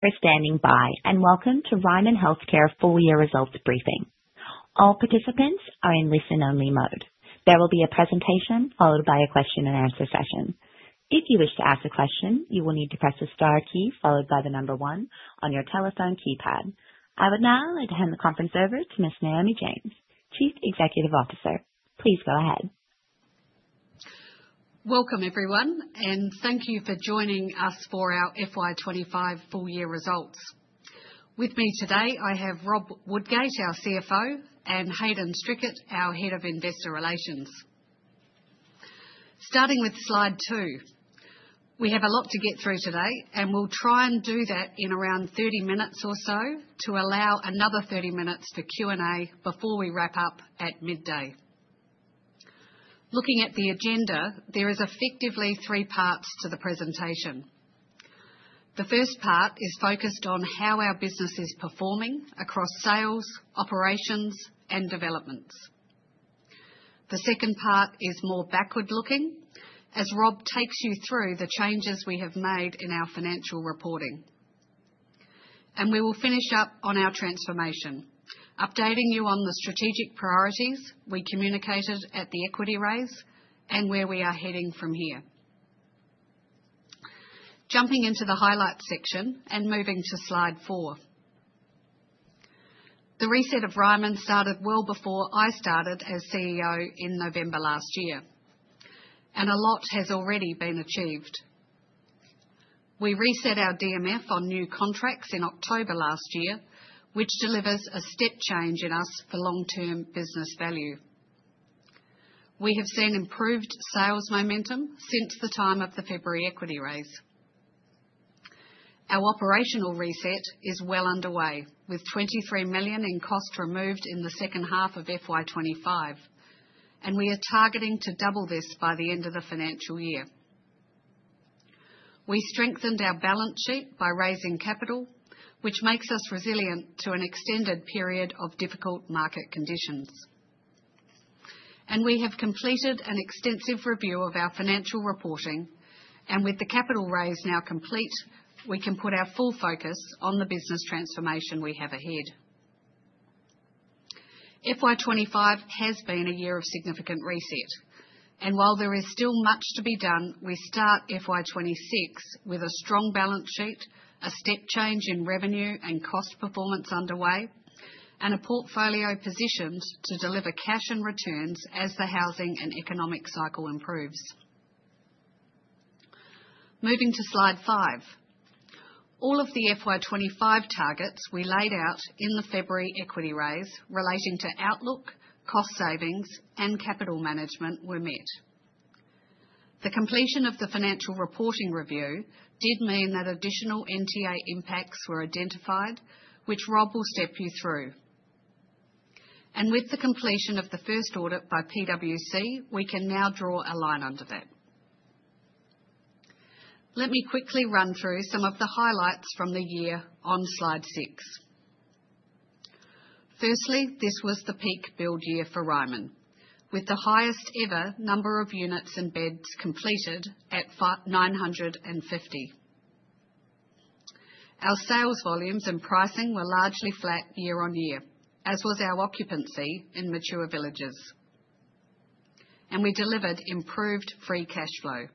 For standing by, and welcome to Ryman Healthcare full-year results briefing. All participants are in listen-only mode. There will be a presentation followed by a question and answer session. If you wish to ask a question, you will need to press the star key followed by the number one on your telephone keypad. I would now like to hand the conference over to Ms. Naomi James, Chief Executive Officer. Please go ahead. Welcome, everyone, and thank you for joining us for our FY 2025 full-year results. With me today, I have Rob Woodgate, our CFO, and Hayden Strickett, our Head of Investor Relations. Starting with slide 2, we have a lot to get through today, and we'll try and do that in around 30 minutes or so to allow another 30 minutes for Q&A before we wrap up at midday. Looking at the agenda, there are effectively three parts to the presentation. The first part is focused on how our business is performing across sales, operations, and developments. The second part is more backward-looking, as Rob takes you through the changes we have made in our financial reporting. We will finish up on our transformation, updating you on the strategic priorities we communicated at the equity raise and where we are heading from here. Jumping into the highlights section and moving to slide 4. The reset of Ryman started well before I started as CEO in November last year, and a lot has already been achieved. We reset our DMF on new contracts in October last year, which delivers a step change in us for long-term business value. We have seen improved sales momentum since the time of the February equity raise. Our operational reset is well underway, with 23 million in cost removed in the second half of FY 2025, and we are targeting to double this by the end of the financial year. We strengthened our balance sheet by raising capital, which makes us resilient to an extended period of difficult market conditions. We have completed an extensive review of our financial reporting, and with the capital raise now complete, we can put our full focus on the business transformation we have ahead. FY 2025 has been a year of significant reset, and while there is still much to be done, we start FY 2026 with a strong balance sheet, a step change in revenue and cost performance underway, and a portfolio positioned to deliver cash and returns as the housing and economic cycle improves. Moving to slide 5, all of the FY 2025 targets we laid out in the February equity raise relating to outlook, cost savings, and capital management were met. The completion of the financial reporting review did mean that additional NTA impacts were identified, which Rob will step you through. With the completion of the first audit by PwC, we can now draw a line under that. Let me quickly run through some of the highlights from the year on slide 6. Firstly, this was the peak build year for Ryman, with the highest ever number of units and beds completed at 950. Our sales volumes and pricing were largely flat year-on-year, as was our occupancy in mature villages, and we delivered improved free cash flow.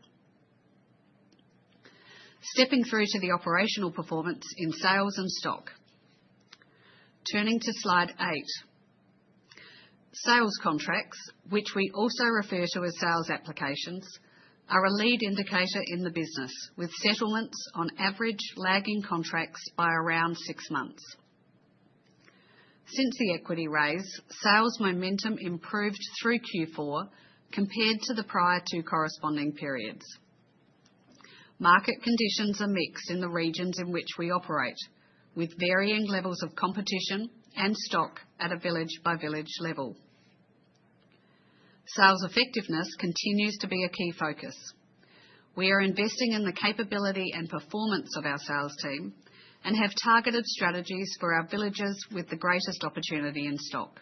Stepping through to the operational performance in sales and stock. Turning to slide 8, sales contracts, which we also refer to as sales applications, are a lead indicator in the business, with settlements on average lagging contracts by around six months. Since the equity raise, sales momentum improved through Q4 compared to the prior two corresponding periods. Market conditions are mixed in the regions in which we operate, with varying levels of competition and stock at a village-by-village level. Sales effectiveness continues to be a key focus. We are investing in the capability and performance of our sales team and have targeted strategies for our villages with the greatest opportunity in stock.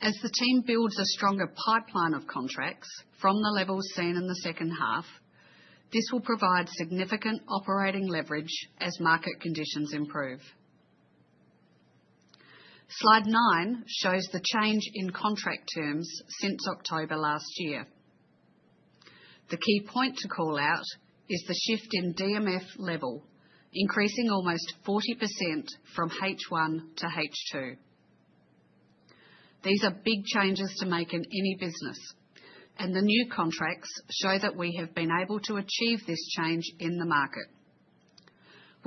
As the team builds a stronger pipeline of contracts from the levels seen in the second half, this will provide significant operating leverage as market conditions improve. Slide 9 shows the change in contract terms since October last year. The key point to call out is the shift in DMF level, increasing almost 40% from H1 to H2. These are big changes to make in any business, and the new contracts show that we have been able to achieve this change in the market.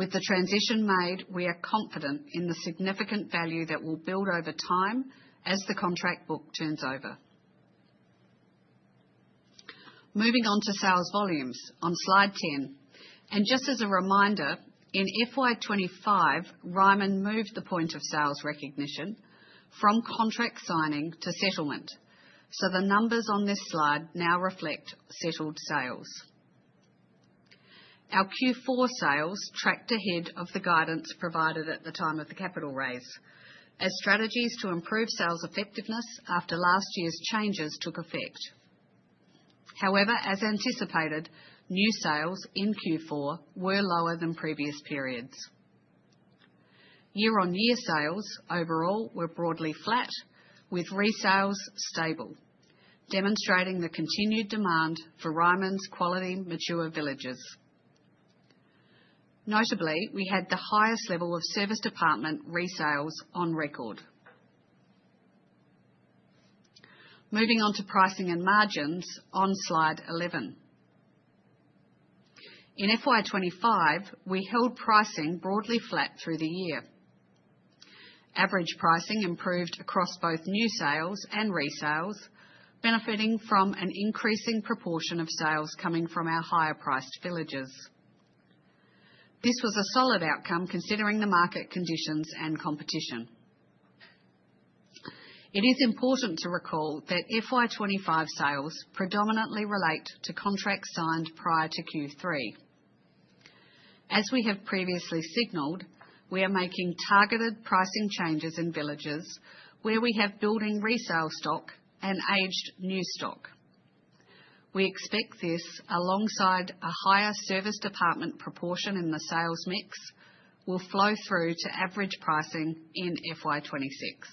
With the transition made, we are confident in the significant value that will build over time as the contract book turns over. Moving on to sales volumes on slide ten. Just as a reminder, in FY 2025, Ryman moved the point of sales recognition from contract signing to settlement, so the numbers on this slide now reflect settled sales. Our Q4 sales tracked ahead of the guidance provided at the time of the capital raise, as strategies to improve sales effectiveness after last year's changes took effect. However, as anticipated, new sales in Q4 were lower than previous periods. Year-on-year sales overall were broadly flat, with resales stable, demonstrating the continued demand for Ryman's quality mature villages. Notably, we had the highest level of serviced apartment resales on record. Moving on to pricing and margins on slide 11. In FY 2025, we held pricing broadly flat through the year. Average pricing improved across both new sales and resales, benefiting from an increasing proportion of sales coming from our higher-priced villages. This was a solid outcome considering the market conditions and competition. It is important to recall that FY 2025 sales predominantly relate to contracts signed prior to Q3. As we have previously signaled, we are making targeted pricing changes in villages where we have building resale stock and aged new stock. We expect this, alongside a higher serviced apartment proportion in the sales mix, will flow through to average pricing in FY 2026.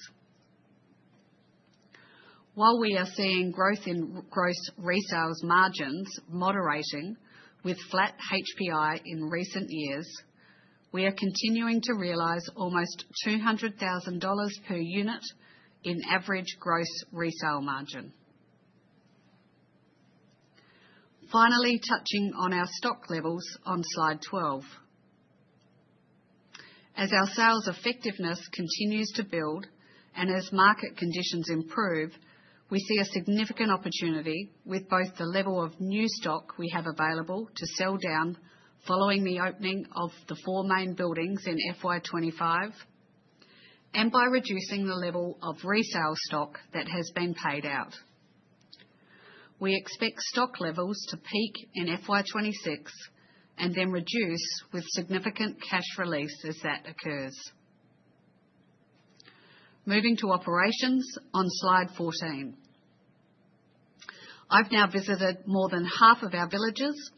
While we are seeing gross resale margins moderating with flat HPI in recent years, we are continuing to realize almost 200,000 dollars per unit in average gross resale margin. Finally, touching on our stock levels on slide twelve. As our sales effectiveness continues to build and as market conditions improve, we see a significant opportunity with both the level of new stock we have available to sell down following the opening of the four main buildings in FY 2025 and by reducing the level of resale stock that has been paid out. We expect stock levels to peak in FY 2026 and then reduce with significant cash release as that occurs. Moving to operations on slide 14. I have now visited more than half of our villages,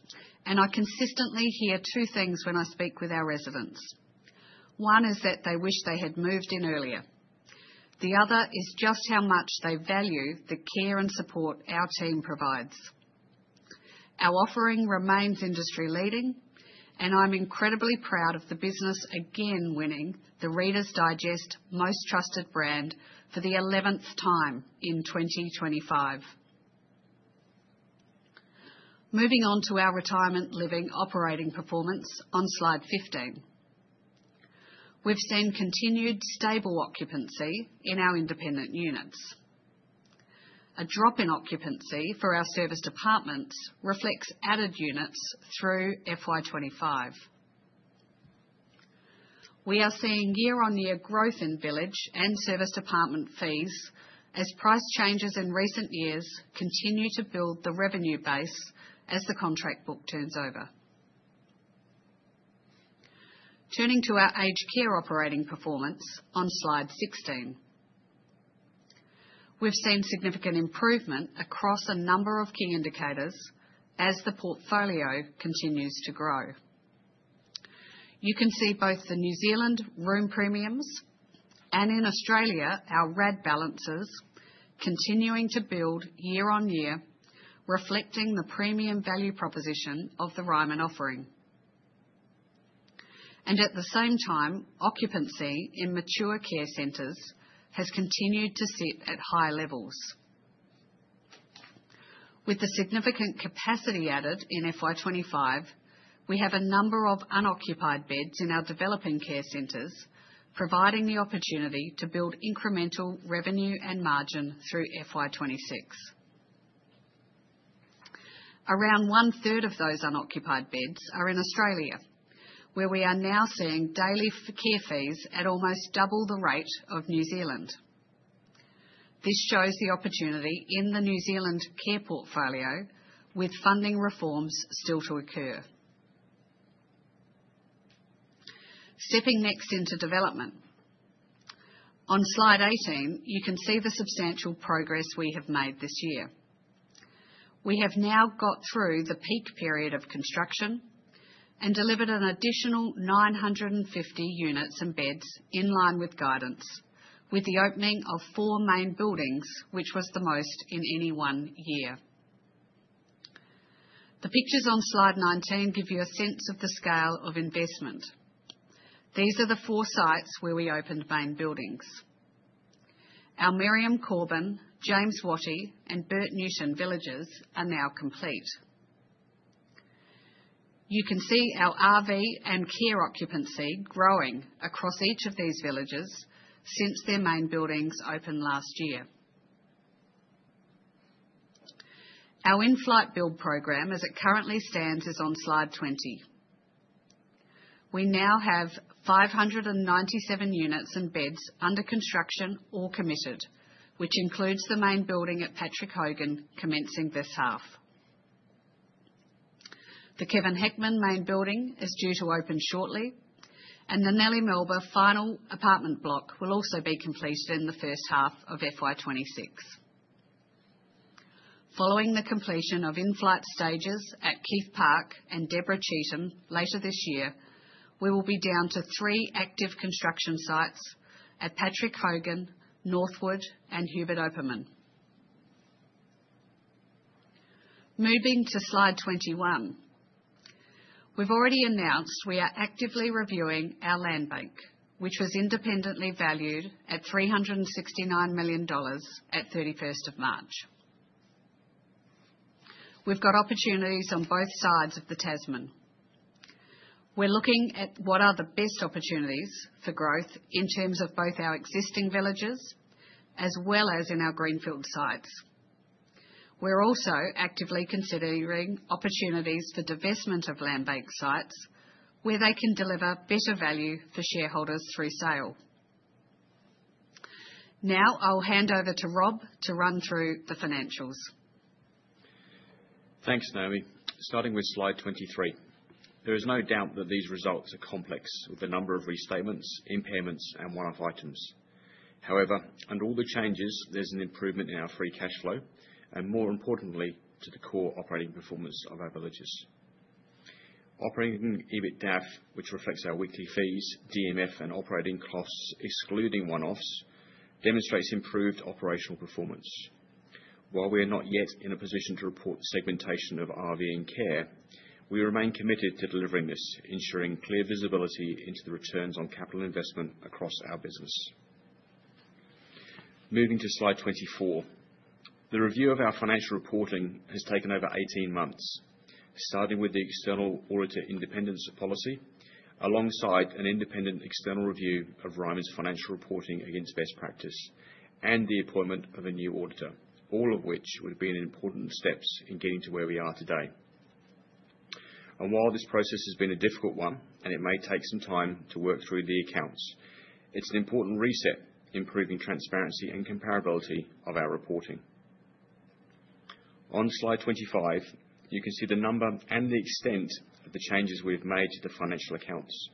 and I consistently hear two things when I speak with our residents. One is that they wish they had moved in earlier. The other is just how much they value the care and support our team provides. Our offering remains industry-leading, and I am incredibly proud of the business again winning the Reader's Digest Most Trusted Brand for the eleventh time in 2025. Moving on to our retirement living operating performance on slide 15. We have seen continued stable occupancy in our independent units. A drop in occupancy for our serviced apartments reflects added units through FY 2025. We are seeing year-on-year growth in village and service department fees as price changes in recent years continue to build the revenue base as the contract book turns over. Turning to our aged care operating performance on slide 16. We have seen significant improvement across a number of key indicators as the portfolio continues to grow. You can see both the New Zealand room premiums and in Australia, our RAD balances continuing to build year-on-year, reflecting the premium value proposition of the Ryman offering. At the same time, occupancy in mature care centers has continued to sit at high levels. With the significant capacity added in FY 2025, we have a number of unoccupied beds in our developing care centers, providing the opportunity to build incremental revenue and margin through FY 2026. Around one-third of those unoccupied beds are in Australia, where we are now seeing daily care fees at almost double the rate of New Zealand. This shows the opportunity in the New Zealand care portfolio, with funding reforms still to occur. Stepping next into development. On slide 18, you can see the substantial progress we have made this year. We have now got through the peak period of construction and delivered an additional 950 units and beds in line with guidance, with the opening of four main buildings, which was the most in any one year. The pictures on slide 19 give you a sense of the scale of investment. These are the four sites where we opened main buildings. Our Miriam Corben, James Wattie, and Bert Newton villages are now complete. You can see our RV and care occupancy growing across each of these villages since their main buildings opened last year. Our in-flight build program, as it currently stands, is on slide 20. We now have 597 units and beds under construction or committed, which includes the main building at Patrick Hogan commencing this half. The Kevin Hickman main building is due to open shortly, and the Nellie Melbourne final apartment block will also be completed in the first half of FY 2026. Following the completion of in-flight stages at Keith Park and Deborah Cheatham later this year, we will be down to three active construction sites at Patrick Hogan, Northwood, and Hubert Opperman. Moving to slide 21. We have already announced we are actively reviewing our land bank, which was independently valued at NZD 369 million at 31st of March. We have got opportunities on both sides of the Tasman. We're looking at what are the best opportunities for growth in terms of both our existing villages as well as in our greenfield sites. We're also actively considering opportunities for divestment of land bank sites where they can deliver better value for shareholders through sale. Now I'll hand over to Rob to run through the financials. Thanks, Naomi. Starting with slide 23. There is no doubt that these results are complex with the number of restatements, impairments, and one-off items. However, under all the changes, there's an improvement in our free cash flow and, more importantly, to the core operating performance of our villages. Operating EBITDA, which reflects our weekly fees, DMF, and operating costs, excluding one-offs, demonstrates improved operational performance. While we are not yet in a position to report segmentation of RV and care, we remain committed to delivering this, ensuring clear visibility into the returns on capital investment across our business. Moving to slide 24. The review of our financial reporting has taken over 18 months, starting with the external auditor independence policy, alongside an independent external review of Ryman's financial reporting against best practice and the appointment of a new auditor, all of which would have been important steps in getting to where we are today. While this process has been a difficult one and it may take some time to work through the accounts, it's an important reset improving transparency and comparability of our reporting. On slide 25, you can see the number and the extent of the changes we've made to the financial accounts.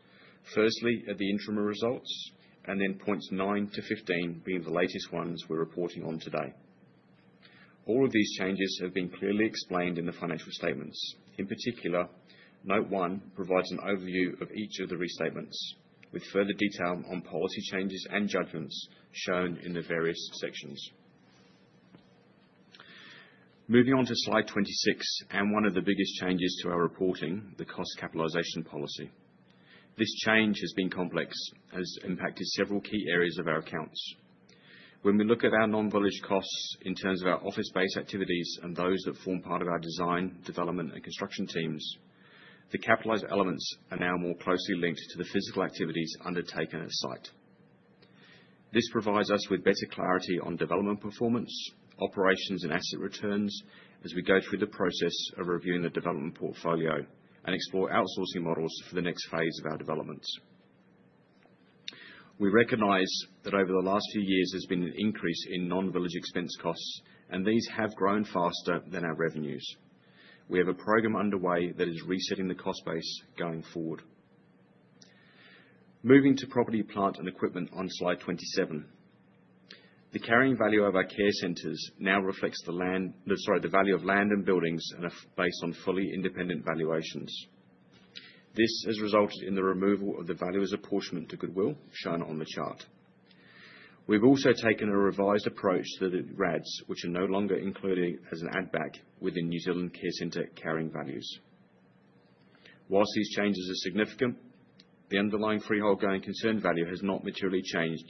Firstly, at the interim results, and then points 9-15 being the latest ones we're reporting on today. All of these changes have been clearly explained in the financial statements. In particular, note one provides an overview of each of the restatements, with further detail on policy changes and judgments shown in the varous sections. Moving on to slide 26 and one of the biggest changes to our reporting, the cost capitalization policy. This change has been complex and has impacted several key areas of our accounts. When we look at our non-village costs in terms of our office-based activities and those that form part of our design, development, and construction teams, the capitalized elements are now more closely linked to the physical activities undertaken at site. This provides us with better clarity on development performance, operations, and asset returns as we go through the process of reviewing the development portfolio and explore outsourcing models for the next phase of our developments. We recognize that over the last few years there's been an increase in non-village expense costs, and these have grown faster than our revenues. We have a program underway that is resetting the cost base going forward. Moving to property, plant, and equipment on slide 27. The carrying value of our care centers now reflects the value of land and buildings and are based on fully independent valuations. This has resulted in the removal of the value as apportionment to Goodwill, shown on the chart. We've also taken a revised approach to the RADs, which are no longer included as an add-back within New Zealand care center carrying values. Whilst these changes are significant, the underlying freehold going concern value has not materially changed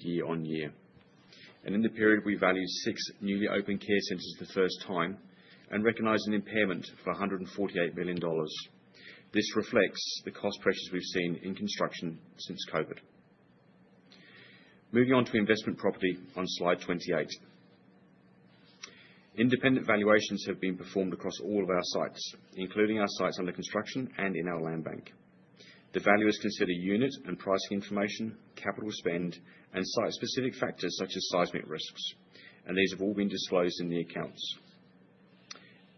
year-on-year. In the period, we valued six newly opened care centers for the first time and recognized an impairment for 148 million dollars. This reflects the cost pressures we have seen in construction since COVID. Moving on to investment property on slide 28. Independent valuations have been performed across all of our sites, including our sites under construction and in our land bank. The valuers considered unit and pricing information, capital spend, and site-specific factors such as seismic risks, and these have all been disclosed in the accounts.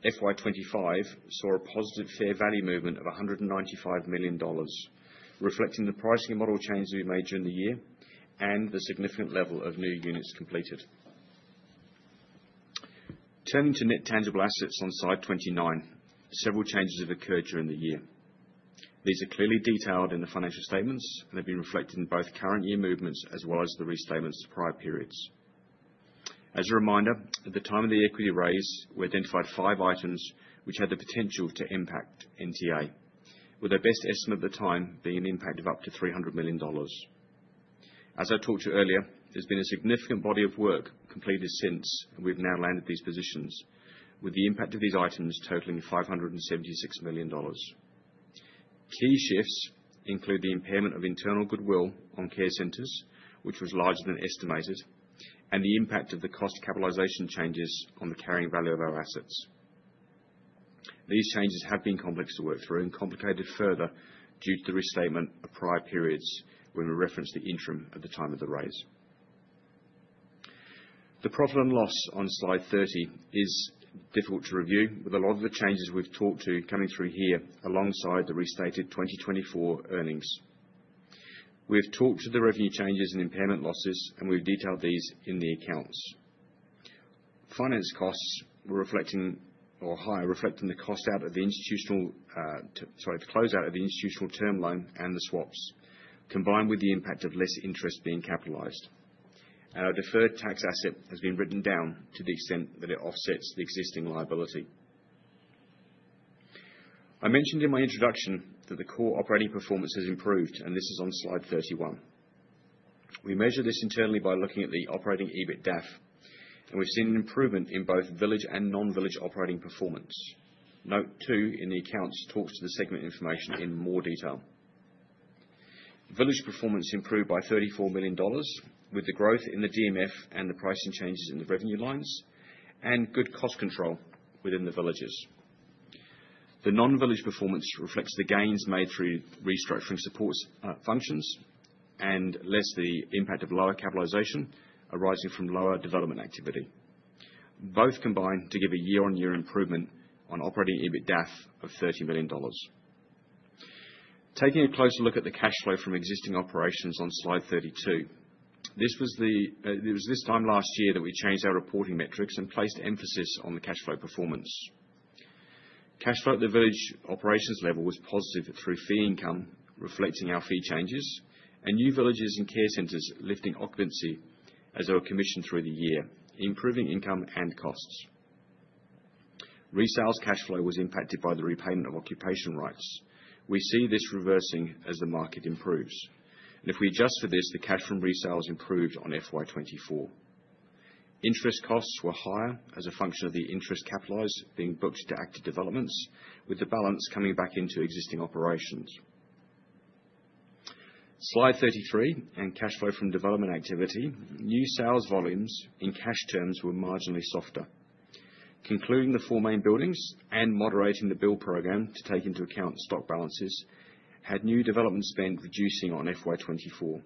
FY 2025 saw a positive fair value movement of 195 million dollars, reflecting the pricing model changes we made during the year and the significant level of new units completed. Turning to net tangible assets on slide 29, several changes have occurred during the year. These are clearly detailed in the financial statements and have been reflected in both current year movements as well as the restatements of prior periods. As a reminder, at the time of the equity raise, we identified five items which had the potential to impact NTA, with our best estimate at the time being an impact of up to 300 million dollars. As I talked to earlier, there's been a significant body of work completed since, and we've now landed these positions, with the impact of these items totaling 576 million dollars. Key shifts include the impairment of internal goodwill on care centers, which was larger than estimated, and the impact of the cost capitalization changes on the carrying value of our assets. These changes have been complex to work through and complicated further due to the restatement of prior periods when we referenced the interim at the time of the raise. The profit and loss on slide 30 is difficult to review, with a lot of the changes we have talked to coming through here alongside the restated 2024 earnings. We have talked to the revenue changes and impairment losses, and we have detailed these in the accounts. Finance costs were higher, reflecting the closeout of the institutional term loan and the swaps, combined with the impact of less interest being capitalized. Our deferred tax asset has been written down to the extent that it offsets the existing liability. I mentioned in my introduction that the core operating performance has improved, and this is on slide 31. We measure this internally by looking at the operating EBITDA, and we have seen an improvement in both village and non-village operating performance. Note two in the accounts talks to the segment information in more detail. Village performance improved by 34 million dollars, with the growth in the DMF and the pricing changes in the revenue lines and good cost control within the villages. The non-village performance reflects the gains made through restructuring support functions and less the impact of lower capitalization Arising from lower development activity. Both combine to give a year-on-year improvement on operating EBITDA of 30 million dollars. Taking a closer look at the cash flow from existing operations on slide 32, this was, it was this time last year that we changed our reporting metrics and placed emphasis on the cash flow performance. Cash flow at the village operations level was positive through fee income, reflecting our fee changes, and new villages and care centers lifting occupancy as our commission through the year, improving income and costs. Resales cash flow was impacted by the repayment of occupation rights. We see this reversing as the market improves. If we adjust for this, the cash from resales improved on FY 2024. Interest costs were higher as a function of the interest capitalized being booked to active developments, with the balance coming back into existing operations. Slide 33 and cash flow from development activity, new sales volumes in cash terms were marginally softer. Concluding the four main buildings and moderating the build program to take into account stock balances had new development spend reducing on FY 2024.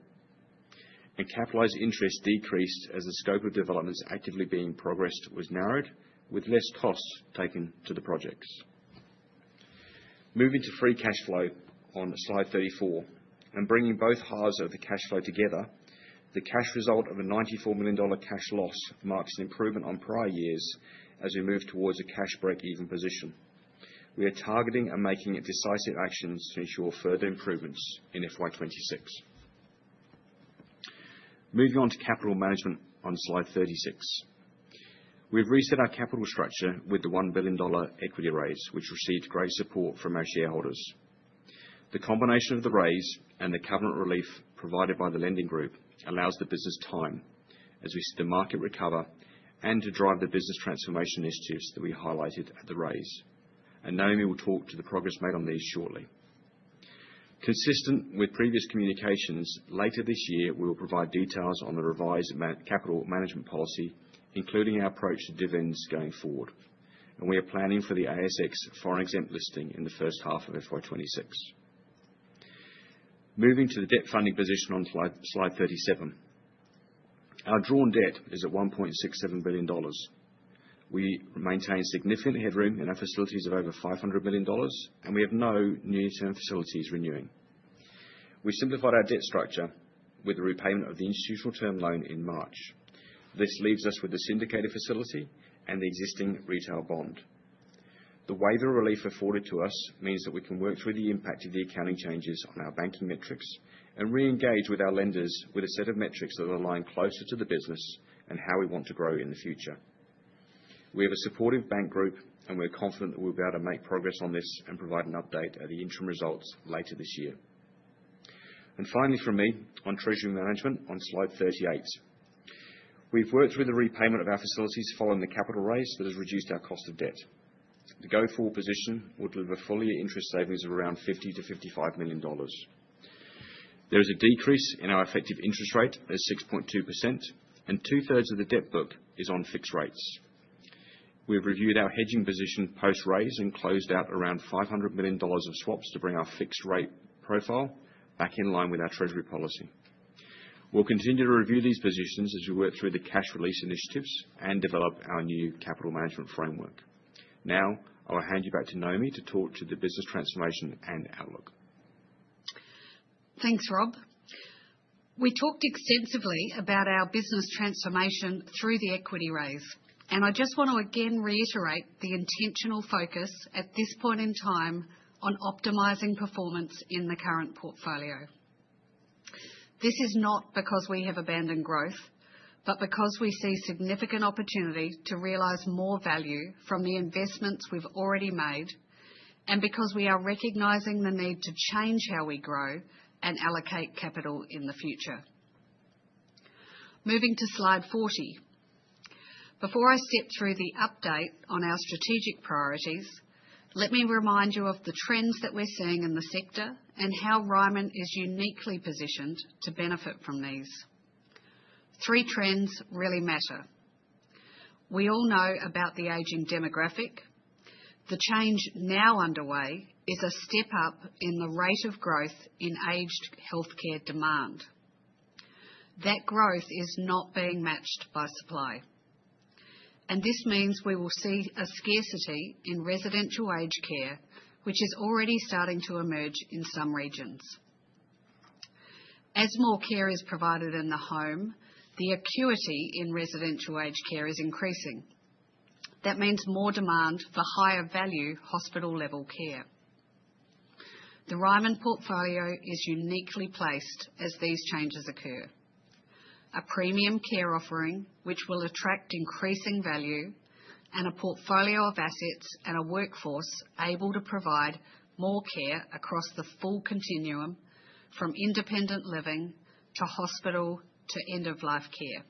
Capitalized interest decreased as the scope of developments actively being progressed was narrowed, with less costs taken to the projects. Moving to free cash flow on slide 34 and bringing both halves of the cash flow together, the cash result of a 94 million dollar cash loss marks an improvement on prior years as we move towards a cash break-even position. We are targeting and making decisive actions to ensure further improvements in FY 2026. Moving on to capital management on slide 36. We have reset our capital structure with the 1 billion dollar equity raise, which received great support from our shareholders. The combination of the raise and the covenant relief provided by the lending group allows the business time as we see the market recover and to drive the business transformation initiatives that we highlighted at the raise. Naomi will talk to the progress made on these shortly. Consistent with previous communications, later this year we will provide details on the revised capital management policy, including our approach to dividends going forward. We are planning for the ASX foreign exempt listing in the first half of FY 2026. Moving to the debt funding position on slide 37. Our drawn debt is at 1.67 billion dollars. We maintain significant headroom in our facilities of over 500 million dollars, and we have no new term facilities renewing. We simplified our debt structure with the repayment of the institutional term loan in March. This leaves us with the syndicated facility and the existing retail bond. The waiver relief afforded to us means that we can work through the impact of the accounting changes on our banking metrics and re-engage with our lenders with a set of metrics that align closer to the business and how we want to grow in the future. We have a supportive bank group, and we're confident that we'll be able to make progress on this and provide an update at the interim results later this year. Finally for me on treasury management on slide 38. We've worked through the repayment of our facilities following the capital raise that has reduced our cost of debt. The go-forward position would deliver fully interest savings of around 50 million-55 million dollars. There is a decrease in our effective interest rate at 6.2%, and two-thirds of the debt book is on fixed rates. We've reviewed our hedging position post-raise and closed out around 500 million dollars of swaps to bring our fixed rate profile back in line with our treasury policy. We'll continue to review these positions as we work through the cash release initiatives and develop our new capital management framework. Now I will hand you back to Naomi to talk to the business transformation and outlook. Thanks, Rob. We talked extensively about our business transformation through the equity raise, and I just want to again reiterate the intentional focus at this point in time on optimizing performance in the current portfolio. This is not because we have abandoned growth, but because we see significant opportunity to realize more value from the investments we've already made, and because we are recognizing the need to change how we grow and allocate capital in the future. Moving to slide 40. Before I step through the update on our strategic priorities, let me remind you of the trends that we're seeing in the sector and how Ryman is uniquely positioned to benefit from these. Three trends really matter. We all know about the aging demographic. The change now underway is a step up in the rate of growth in aged healthcare demand. That growth is not being matched by supply. This means we will see a scarcity in residential aged care, which is already starting to emerge in some regions. As more care is provided in the home, the acuity in residential aged care is increasing. That means more demand for higher value hospital-level care. The Ryman portfolio is uniquely placed as these changes occur. A premium care offering, which will attract increasing value, and a portfolio of assets and a workforce able to provide more care across the full continuum from independent living to hospital to end-of-life care.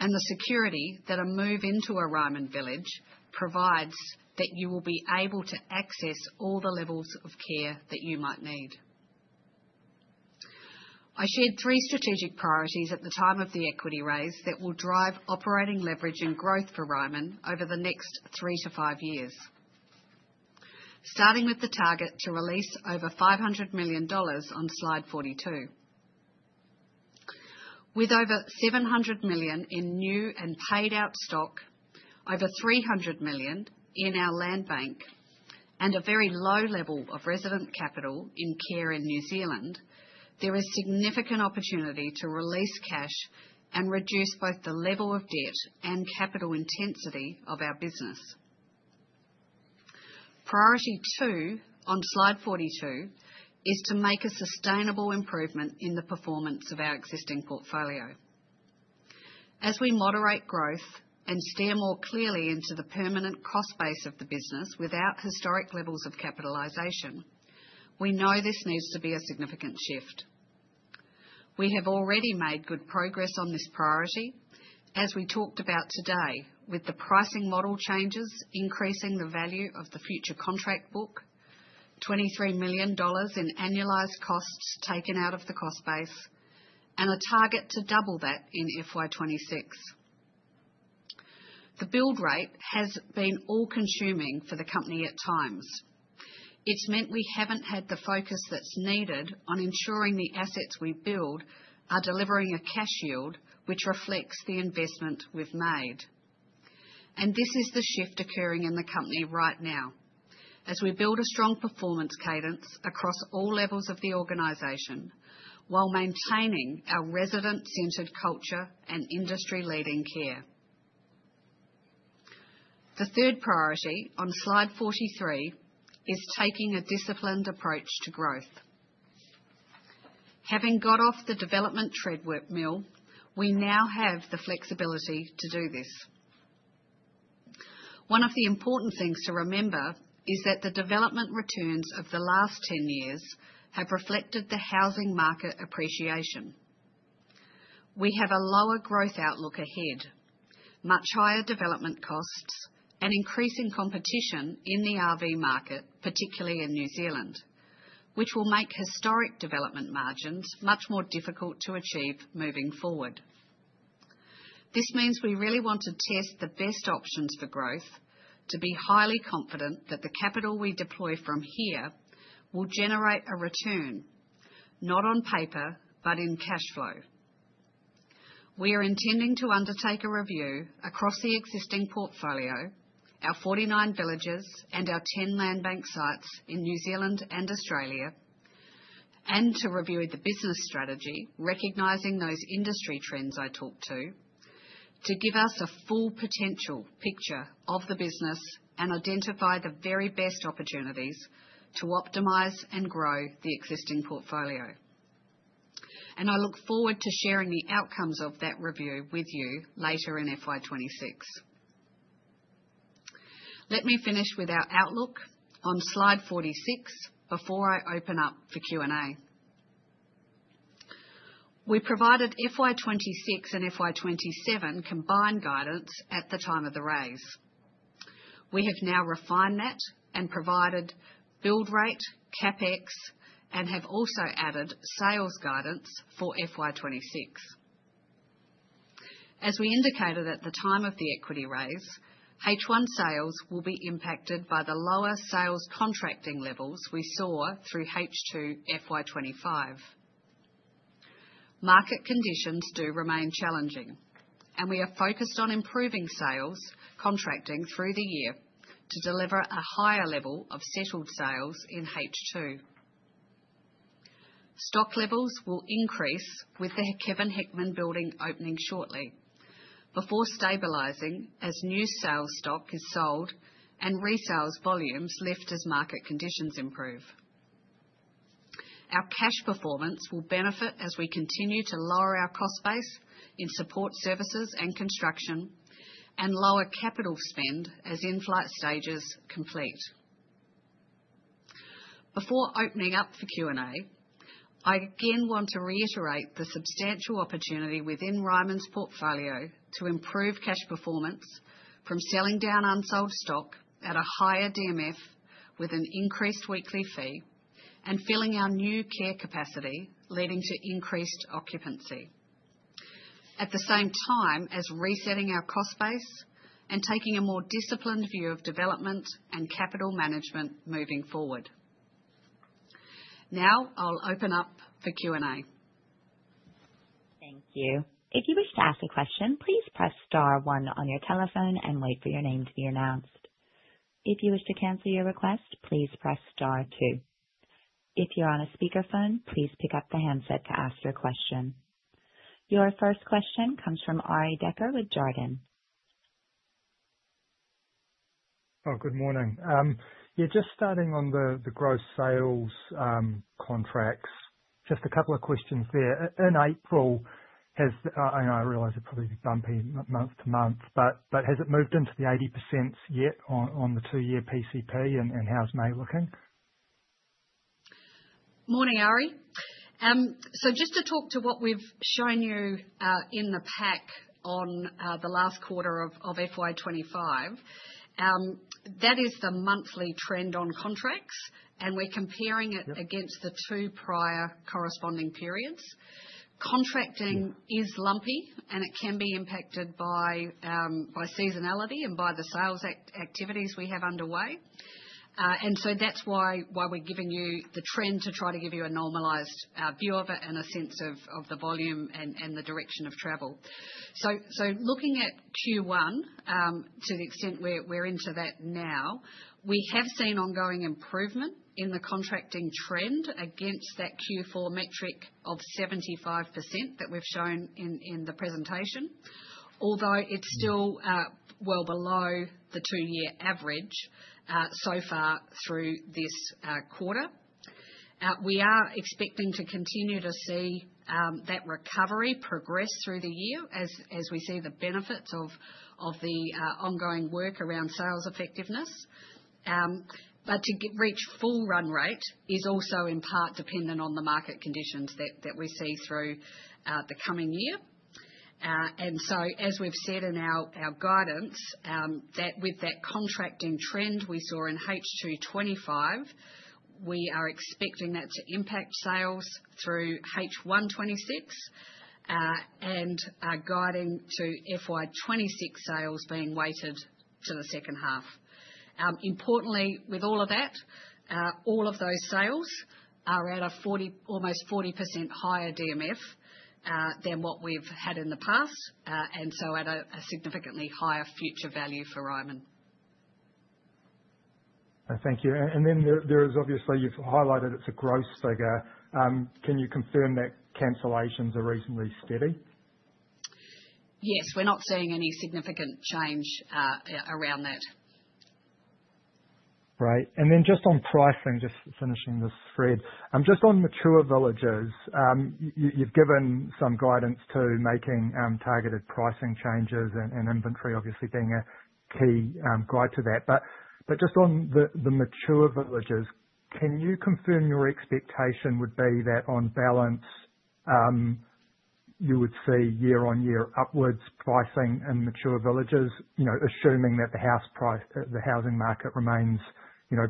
The security that a move into a Ryman village provides is that you will be able to access all the levels of care that you might need. I shared three strategic priorities at the time of the equity raise that will drive operating leverage and growth for Ryman over the next 3-5, starting with the target to release over 500 million dollars on slide 42. With over 700 million in new and paid-out stock, over 300 million in our land bank, and a very low level of resident capital in care in New Zealand, there is significant opportunity to release cash and reduce both the level of debt and capital intensity of our business. Priority two on slide 42 is to make a sustainable improvement in the performance of our existing portfolio. As we moderate growth and steer more clearly into the permanent cost base of the business without historic levels of capitalization, we know this needs to be a significant shift. We have already made good progress on this priority, as we talked about today, with the pricing model changes increasing the value of the future contract book, 23 million dollars in annualized costs taken out of the cost base, and a target to double that in FY 2026. The build rate has been all-consuming for the company at times. It has meant we have not had the focus that is needed on ensuring the assets we build are delivering a cash yield which reflects the investment we have made. This is the shift occurring in the company right now, as we build a strong performance cadence across all levels of the organization while maintaining our resident-centered culture and industry-leading care. The third priority on slide forty-three is taking a disciplined approach to growth. Having got off the development treadmill, we now have the flexibility to do this. One of the important things to remember is that the development returns of the last 10 years have reflected the housing market appreciation. We have a lower growth outlook ahead, much higher development costs, and increasing competition in the RV market, particularly in New Zealand, which will make historic development margins much more difficult to achieve moving forward. This means we really want to test the best options for growth, to be highly confident that the capital we deploy from here will generate a return, not on paper, but in cash flow. We are intending to undertake a review across the existing portfolio, our 49 villages and our 10 land bank sites in New Zealand and Australia, and to review the business strategy, recognizing those industry trends I talked to, to give us a full potential picture of the business and identify the very best opportunities to optimize and grow the existing portfolio. I look forward to sharing the outcomes of that review with you later in FY 2026. Let me finish with our outlook on slide 46 before I open up for Q&A. We provided FY 2026 and FY 2027 combined guidance at the time of the raise. We have now refined that and provided build rate, CapEx, and have also added sales guidance for FY 2026. As we indicated at the time of the equity raise, H1 sales will be impacted by the lower sales contracting levels we saw through H2 FY 2025. Market conditions do remain challenging, and we are focused on improving sales contracting through the year to deliver a higher level of settled sales in H2. Stock levels will increase with the Kevin Hickman building opening shortly before stabilizing as new sales stock is sold and resales volumes lift as market conditions improve. Our cash performance will benefit as we continue to lower our cost base in support services and construction and lower capital spend as in-flight stages complete. Before opening up for Q&A, I again want to reiterate the substantial opportunity within Ryman's portfolio to improve cash performance from selling down unsold stock at a higher DMF with an increased weekly fee and filling our new care capacity, leading to increased occupancy, at the same time as resetting our cost base and taking a more disciplined view of development and capital management moving forward. Now I'll open up for Q&A. Thank you. If you wish to ask a question, please press star one on your telephone and wait for your name to be announced. If you wish to cancel your request, please press star two. If you're on a speakerphone, please pick up the handset to ask your question. Your first question comes from Arie Dekker with Jarden. Oh, good morning. Yeah, just starting on the gross sales contracts, just a couple of questions there. In April, has—and I realize it probably would be bumpy month to month—but has it moved into the 80% yet on the two-year PCP, and how's May looking? Morning, Arie. So just to talk to what we've shown you in the pack on the last quarter of FY 2025, that is the monthly trend on contracts, and we're comparing it against the two prior corresponding periods. Contracting is lumpy, and it can be impacted by seasonality and by the sales activities we have underway. That is why we are giving you the trend to try to give you a normalized view of it and a sense of the volume and the direction of travel. Looking at Q1, to the extent we are into that now, we have seen ongoing improvement in the contracting trend against that Q4 metric of 75% that we have shown in the presentation, although it is still well below the two-year average so far through this quarter. We are expecting to continue to see that recovery progress through the year as we see the benefits of the ongoing work around sales effectiveness. To reach full run rate is also in part dependent on the market conditions that we see through the coming year. As we've said in our guidance, with that contracting trend we saw in H225, we are expecting that to impact sales through H126 and guiding to FY 2026 sales being weighted to the second half. Importantly, with all of that, all of those sales are at an almost 40% higher DMF than what we've had in the past, and at a significantly higher future value for Ryman. Thank you. There is obviously, you've highlighted, it's a growth figure. Can you confirm that cancellations are reasonably steady? Yes, we're not seeing any significant change around that. Great. Just on pricing, just finishing this thread, just on mature villages, you've given some guidance to making targeted pricing changes and inventory obviously being a key guide to that. Just on the mature villages, can you confirm your expectation would be that on balance you would see year-on-year upwards pricing in mature villages, assuming that the housing market remains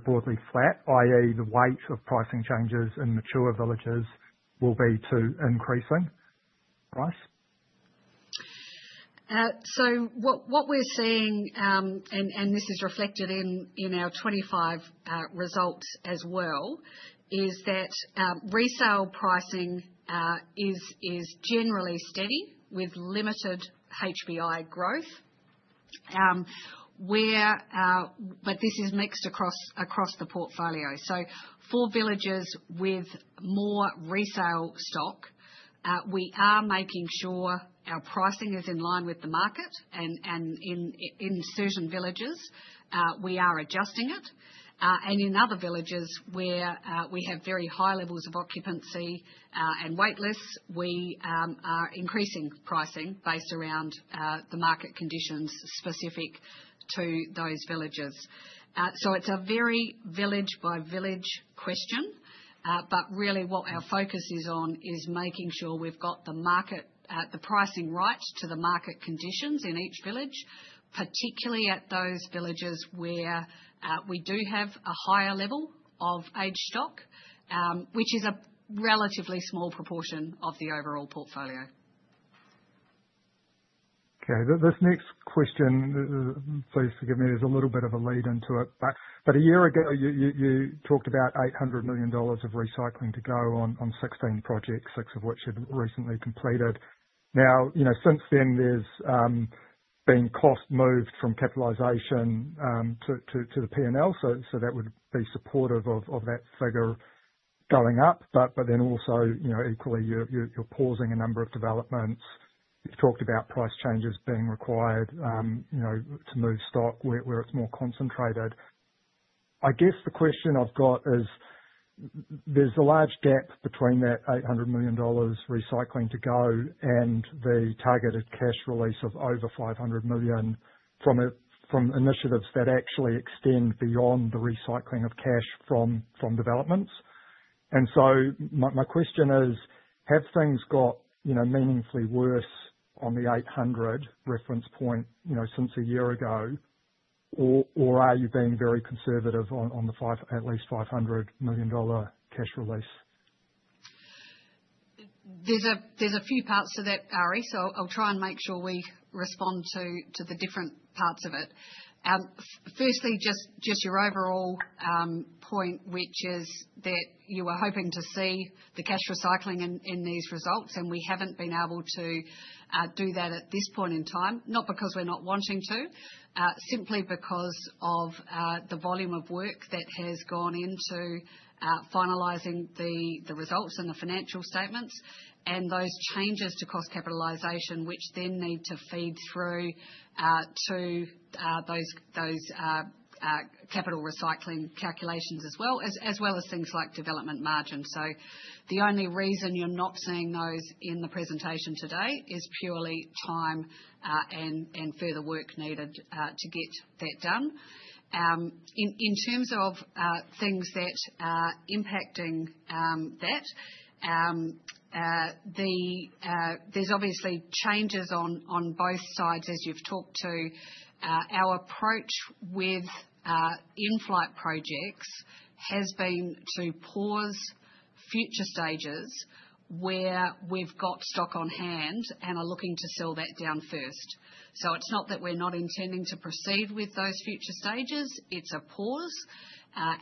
broadly flat, i.e., the weight of pricing changes in mature villages will be to increasing price? What we're seeing, and this is reflected in our 2025 results as well, is that resale pricing is generally steady with limited HPI growth. This is mixed across the portfolio. For villages with more resale stock, we are making sure our pricing is in line with the market, and in certain villages we are adjusting it. In other villages where we have very high levels of occupancy and waitlists, we are increasing pricing based around the market conditions specific to those villages. It's a very village-by-village question, but really what our focus is on is making sure we've got the pricing right to the market conditions in each village, particularly at those villages where we do have a higher level of aged stock, which is a relatively small proportion of the overall portfolio. Okay. This next question, please forgive me, is a little bit of a lead into it. A year ago you talked about 800 million dollars of recycling to go on 16 projects, six of which had recently completed. Now, since then there's been cost moved from capitalization to the P&L, so that would be supportive of that figure going up. Also, equally, you're pausing a number of developments. You've talked about price changes be ing required to move stock where it's more concentrated. I guess the question I've got is there's a large gap between that 800 million dollars recycling to go and the targeted cash release of over 500 million from initiatives that actually extend beyond the recycling of cash from developments. My question is, have things got meaningfully worse on the 800 reference point since a year ago, or are you being very conservative on the at least 500 million dollar cash release? There's a few parts to that, Arie, so I'll try and make sure we respond to the different parts of it. Firstly, just your overall point, which is that you were hoping to see the cash recycling in these results, and we have not been able to do that at this point in time, not because we are not wanting to, simply because of the volume of work that has gone into finalizing the results and the financial statements and those changes to cost capitalization, which then need to feed through to those capital recycling calculations as well, as well as things like development margins. The only reason you are not seeing those in the presentation today is purely time and further work needed to get that done. In terms of things that are impacting that, there are obviously changes on both sides. As you have talked to, our approach with in-flight projects has been to pause future stages where we have stock on hand and are looking to sell that down first. It is not that we are not intending to proceed with those future stages, it is a pause,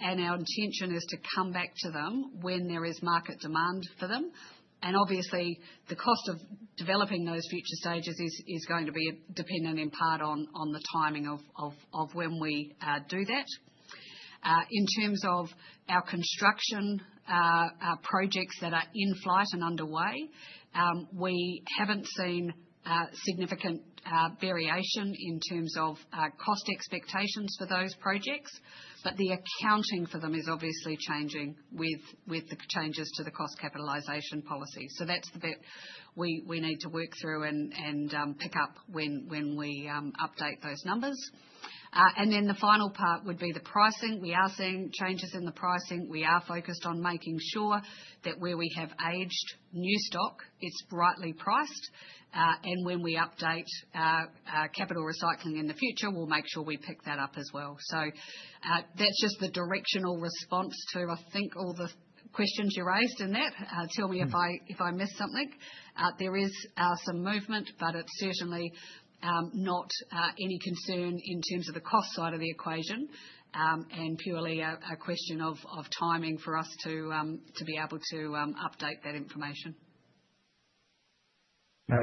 and our intention is to come back to them when there is market demand for them. Obviously, the cost of developing those future stages is going to be dependent in part on the timing of when we do that. In terms of our construction projects that are in flight and underway, we have not seen significant variation in terms of cost expectations for those projects, but the accounting for them is obviously changing with the changes to the cost capitalization policy. That is the bit we need to work through and pick up when we update those numbers. The final part would be the pricing. We are seeing changes in the pricing. We are focused on making sure that where we have aged new stock, it is rightly priced. When we update capital recycling in the future, we'll make sure we pick that up as well. That is just the directional response to, I think, all the questions you raised in that. Tell me if I missed something. There is some movement, but it is certainly not any concern in terms of the cost side of the equation and purely a question of timing for us to be able to update that information.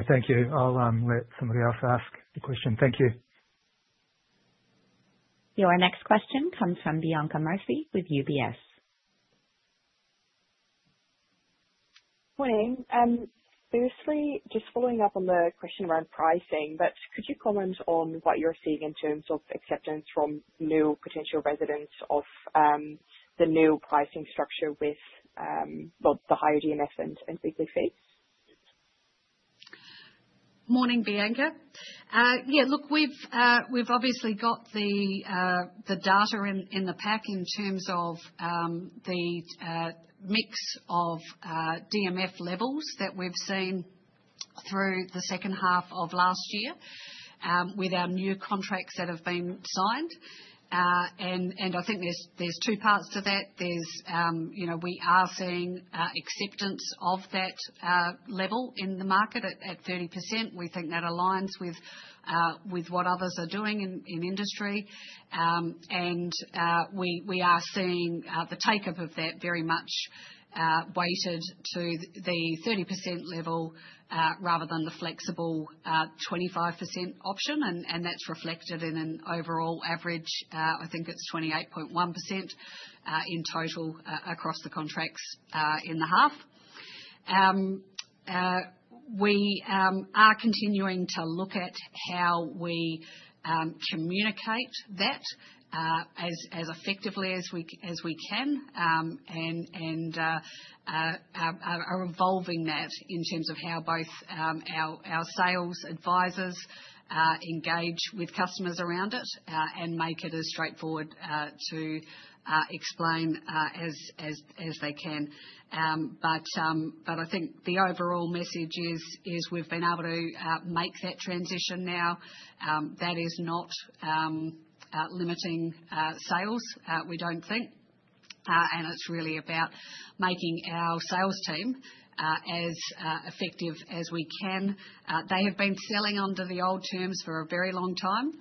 Thank you. I'll let somebody else ask the question. Thank you. Your next question comes from Bianca Murphy with UBS. Morning. Firstly, just following up on the question around pricing, but could you comment on what you're seeing in terms of acceptance from new potential residents of the new pricing structure with, well, the higher DMF and weekly fee? Morning, Bianca. Yeah, look, we've obviously got the data in the pack in terms of the mix of DMF levels that we've seen through the second half of last year with our new contracts that have been signed. I think there's two parts to that. We are seeing acceptance of that level in the market at 30%. We think that aligns with what others are doing in industry. We are seeing the take-up of that very much weighted to the 30% level rather than the flexible 25% option. That's reflected in an overall average, I think it's 28.1% in total across the contracts in the half. We are continuing to look at how we communicate that as effectively as we can and are evolving that in terms of how both our sales advisors engage with customers around it and make it as straightforward to explain as they can. I think the overall message is we've been able to make that transition now. That is not limiting sales, we don't think. It is really about making our sales team as effective as we can. They have been selling under the old terms for a very long time.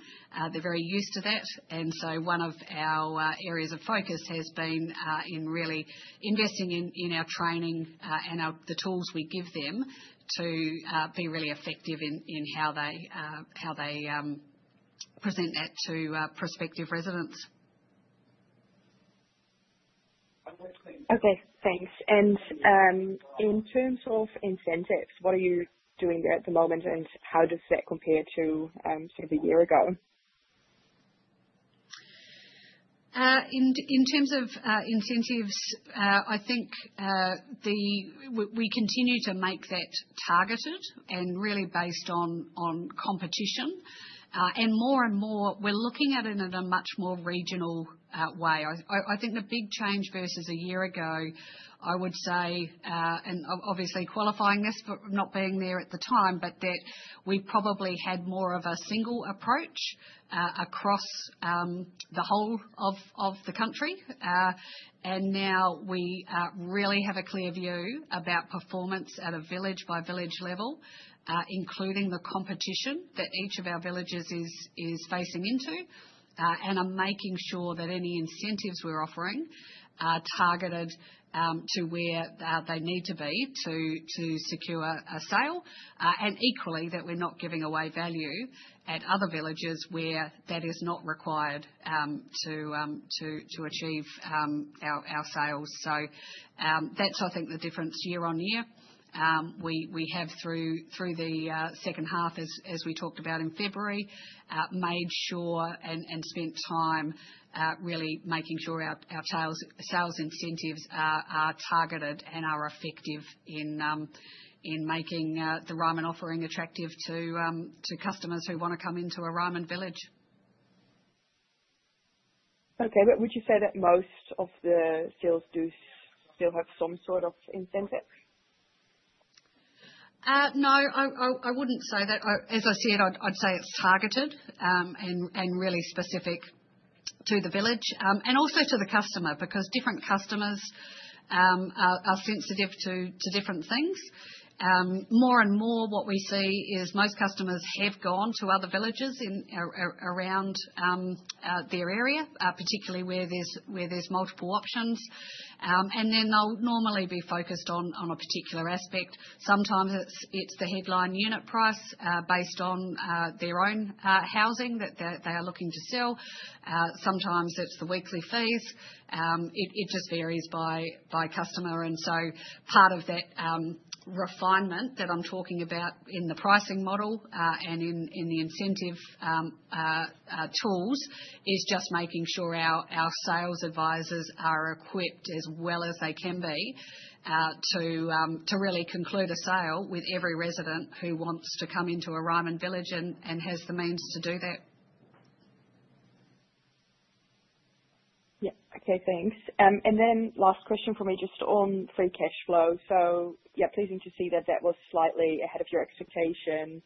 They're very used to that. One of our areas of focus has been in really investing in our training and the tools we give them to be really effective in how they present that to prospective residents. Okay. Thanks. In terms of incentives, what are you doing there at the moment, and how does that compare to sort of a year ago? In terms of incentives, I think we continue to make that targeted and really based on competition. More and more, we're looking at it in a much more regional way. I think the big change versus a year ago, I would say, and obviously qualifying this for not being there at the time, but that we probably had more of a single approach across the whole of the country. Now we really have a clear view about performance at a village-by-village level, including the competition that each of our villages is facing into, and are making sure that any incentives we're offering are targeted to where they need to be to secure a sale. Equally, that we're not giving away value at other villages where that is not required to achieve our sales. That is, I think, the difference year-on-year. We have, through the second half, as we talked about in February, made sure and spent time really making sure our sales incentives are targeted and are effective in making the Ryman offering attractive to customers who want to come into a Ryman village. Okay. Would you say that most of the sales do still have some sort of incentive? No, I would not say that. As I said, I would say it is targeted and really specific to the village and also to the customer because different customers are sensitive to different things. More and more, what we see is most customers have gone to other villages around their area, particularly where there are multiple options. They will normally be focused on a particular aspect. Sometimes it is the headline unit price based on their own housing that they are looking to sell. Sometimes it is the weekly fees. It just varies by customer. Part of that refinement that I'm talking about in the pricing model and in the incentive tools is just making sure our sales advisors are equipped as well as they can be to really conclude a sale with every resident who wants to come into a Ryman village and has the means to do that. Yeah. Okay. Thanks. Last question for me, just on free cash flow. Yeah, pleasing to see that that was slightly ahead of your expectation.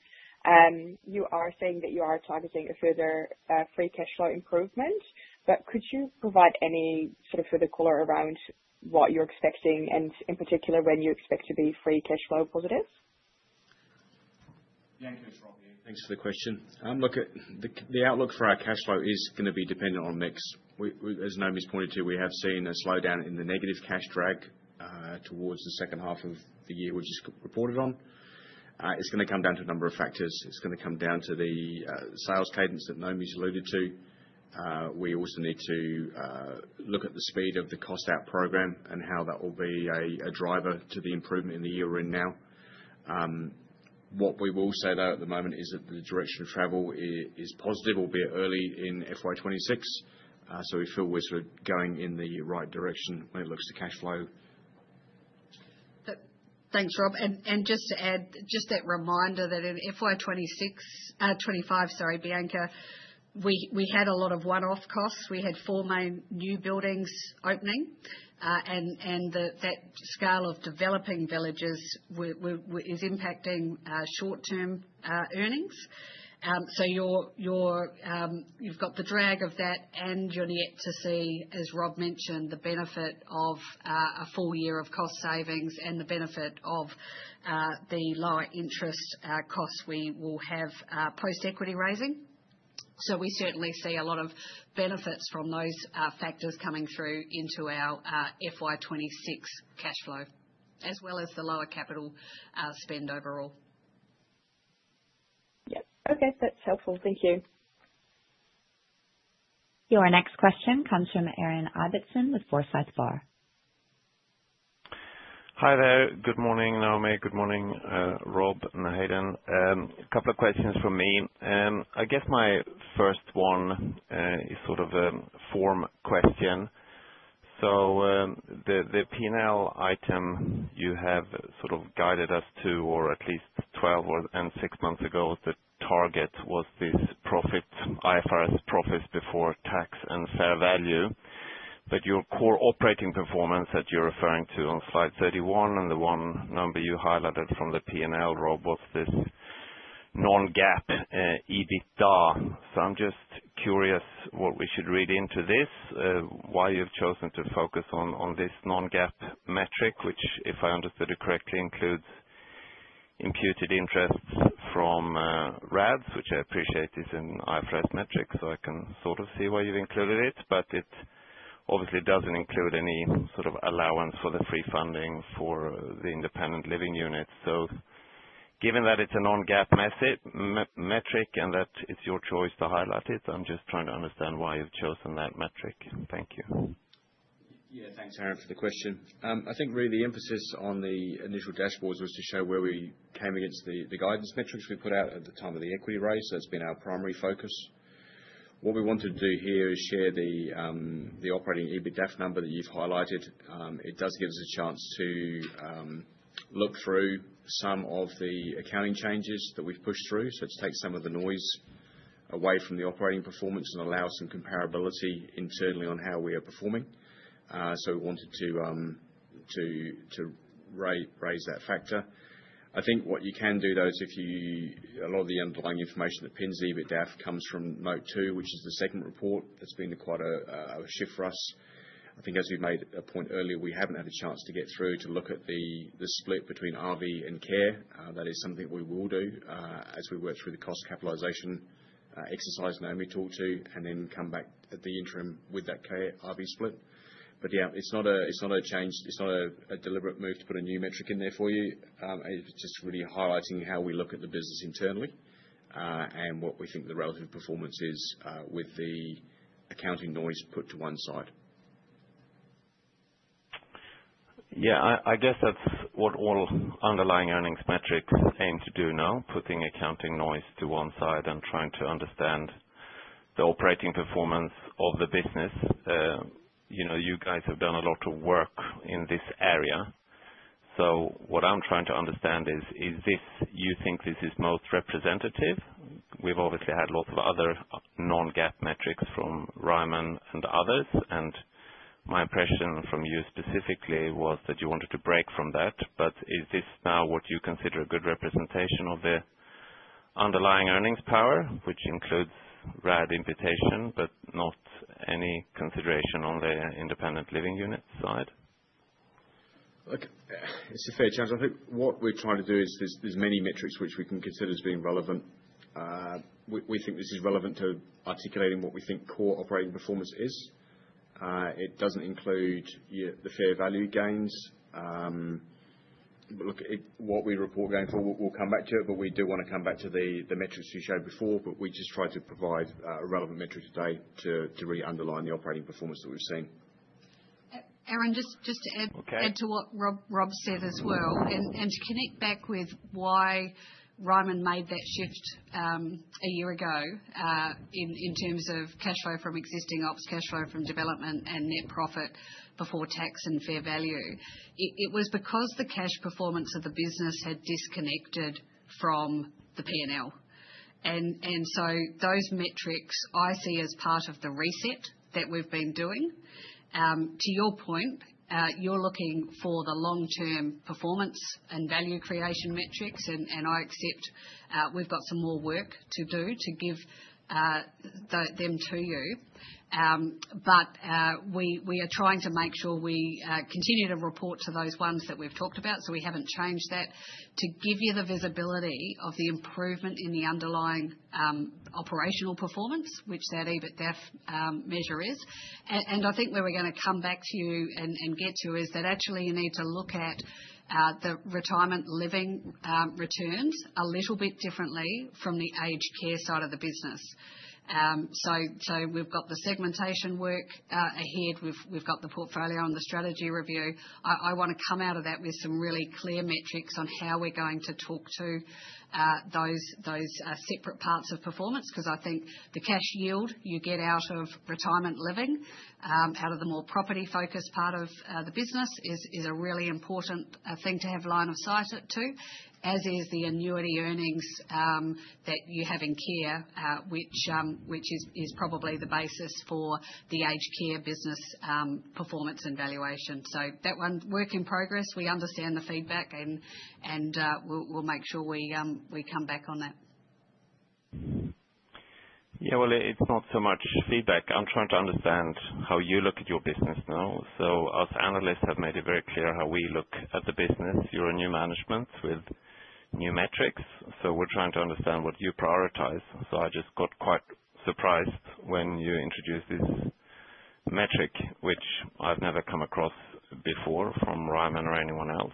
You are saying that you are targeting a further free cash flow improvement. Could you provide any sort of further color around what you're expecting and, in particular, when you expect to be free cash flow positive? Bianca's right here. Thanks for the question. Look, the outlook for our cash flow is going to be dependent on mix. As Naomi's pointed to, we have seen a slowdown in the negative cash drag towards the second half of the year, which is reported on. It's going to come down to a number of factors. It's going to come down to the sales cadence that Naomi's alluded to. We also need to look at the speed of the cost-out program and how that will be a driver to the improvement in the year we're in now. What we will say, though, at the moment is that the direction of travel is positive, albeit early in FY 2026. We feel we're sort of going in the right direction when it looks to cash flow. Thanks, Rob. Just to add, just that reminder that in FY 2025, sorry, Bianca, we had a lot of one-off costs. We had four main new buildings opening. That scale of developing villages is impacting short-term earnings. You have the drag of that, and you are yet to see, as Rob mentioned, the benefit of a full year of cost savings and the benefit of the lower interest costs we will have post-equity raising. We certainly see a lot of benefits from those factors coming through into our FY 2026 cash flow, as well as the lower capital spend overall. Yeah. Okay. That is helpful. Thank you. Your next question comes from Aaron Ibbotson with Forsyth Barr. Hi there. Good morning, Naomi. Good morning, Rob and Hayden. A couple of questions for me. I guess my first one is sort of a form question. The P&L item you have sort of guided us to, or at least 12 and 6 months ago, the target was this profit, IFRS profits before tax and fair value. But your core operating performance that you're referring to on slide 31 and the one number you highlighted from the P&L, Rob, was this non-GAAP EBITDA. I'm just curious what we should read into this, why you've chosen to focus on this non-GAAP metric, which, if I understood it correctly, includes imputed interests from RADs, which I appreciate is an IFRS metric, so I can sort of see why you've included it. It obviously doesn't include any sort of allowance for the free funding for the independent living units. Given that it's a non-GAAP metric and that it's your choice to highlight it, I'm just trying to understand why you've chosen that metric. Thank you. Yeah.Thanks, Aaron, for the question. I think really the emphasis on the initial dashboards was to show where we came against the guidance metrics we put out at the time of the equity raise. It has been our primary focus. What we want to do here is share the operating EBITDA number that you have highlighted. It does give us a chance to look through some of the accounting changes that we have pushed through. It takes some of the noise away from the operating performance and allows some comparability internally on how we are performing. We wanted to raise that factor. I think what you can do, though, is if you, a lot of the underlying information that pins EBITDA comes from Note 2, which is the second report. That has been quite a shift for us. I think, as we've made a point earlier, we haven't had a chance to get through to look at the split between RV and care. That is something we will do as we work through the cost capitalisation exercise Naomi talked to, and then come back at the interim with that care RV split. Yeah, it's not a change. It's not a deliberate move to put a new metric in there for you. It's just really highlighting how we look at the business internally and what we think the relative performance is with the accounting noise put to one side. Yeah. I guess that's what all underlying earnings metrics aim to do now, putting accounting noise to one side and trying to understand the operating performance of the business. You guys have done a lot of work in this area. What I'm trying to understand is, do you think this is most representative? We've obviously had lots of other non-GAAP metrics from Ryman and others. My impression from you specifically was that you wanted to break from that. Is this now what you consider a good representation of the underlying earnings power, which includes RAD imputation, but not any consideration on the independent living unit side? Look, it's a fair challenge. I think what we're trying to do is there's many metrics which we can consider as being relevant. We think this is relevant to articulating what we think core operating performance is. It doesn't include the fair value gains. What we report going forward, we'll come back to it. We do want to come back to the metrics you showed before. We just try to provide a relevant metric today to really underline the operating performance that we've seen. Aaron, just to add to what Rob said as well, and to connect back with why Ryman made that shift a year ago in terms of cash flow from existing ops, cash flow from development, and net profit before tax and fair value, it was because the cash performance of the business had disconnected from the P&L. Those metrics I see as part of the reset that we've been doing. To your point, you're looking for the long-term performance and value creation metrics. I accept we've got some more work to do to give them to you. We are trying to make sure we continue to report to those ones that we've talked about. We have not changed that to give you the visibility of the improvement in the underlying operational performance, which that EBITDA measure is. I think where we are going to come back to you and get to is that actually you need to look at the retirement living returns a little bit differently from the aged care side of the business. We have the segmentation work ahead. We have the portfolio and the strategy review. I want to come out of that with some really clear metrics on how we're going to talk to those separate parts of performance because I think the cash yield you get out of retirement living, out of the more property-focused part of the business, is a really important thing to have line of sight to, as is the annuity earnings that you have in care, which is probably the basis for the aged care business performance and valuation. That one's work in progress. We understand the feedback, and we'll make sure we come back on that. Yeah. It's not so much feedback. I'm trying to understand how you look at your business now. Us analysts have made it very clear how we look at the business. You're a new management with new metrics. We're trying to understand what you prioritize. I just got quite surprised when you introduced this metric, which I've never come across before from Ryman or anyone else.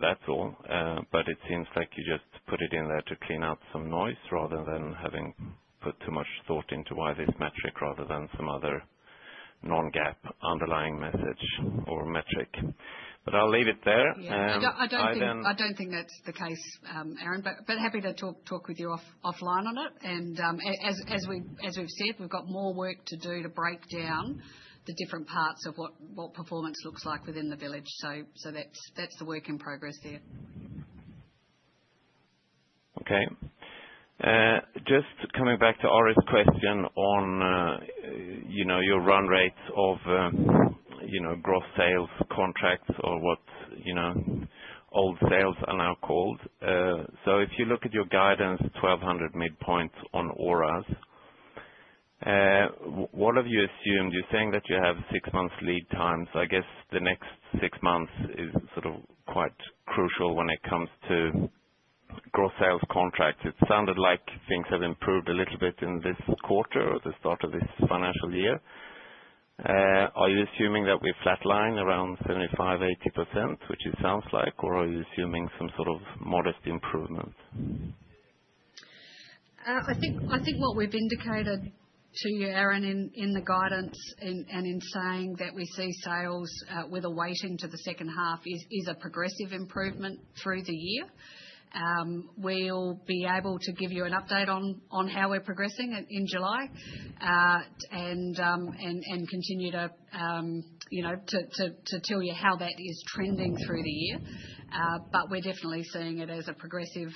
That's all. It seems like you just put it in there to clean out some noise rather than having put too much thought into why this metric rather than some other non-GAAP underlying message or metric. I'll leave it there. Yeah. I don't think that's the case, Aaron. Happy to talk with you offline on it. As we've said, we've got more work to do to break down the different parts of what performance looks like within the village. That's the work in progress there. Okay. Just coming back to RS question on your run rate of gross sales contracts or what old sales are now called. If you look at your guidance, 1,200 midpoint on ORAs, what have you assumed? You're saying that you have six months lead time. I guess the next six months is sort of quite crucial when it comes to gross sales contracts. It sounded like things have improved a little bit in this quarter or the start of this financial year. Are you assuming that we flatline around 75%-80%, which it sounds like, or are you assuming some sort of modest improvement? I think what we've indicated to you, Aaron, in the guidance and in saying that we see sales with a waiting to the second half is a progressive improvement through the year. We'll be able to give you an update on how we're progressing in July and continue to tell you how that is trending through the year. We're definitely seeing it as a progressive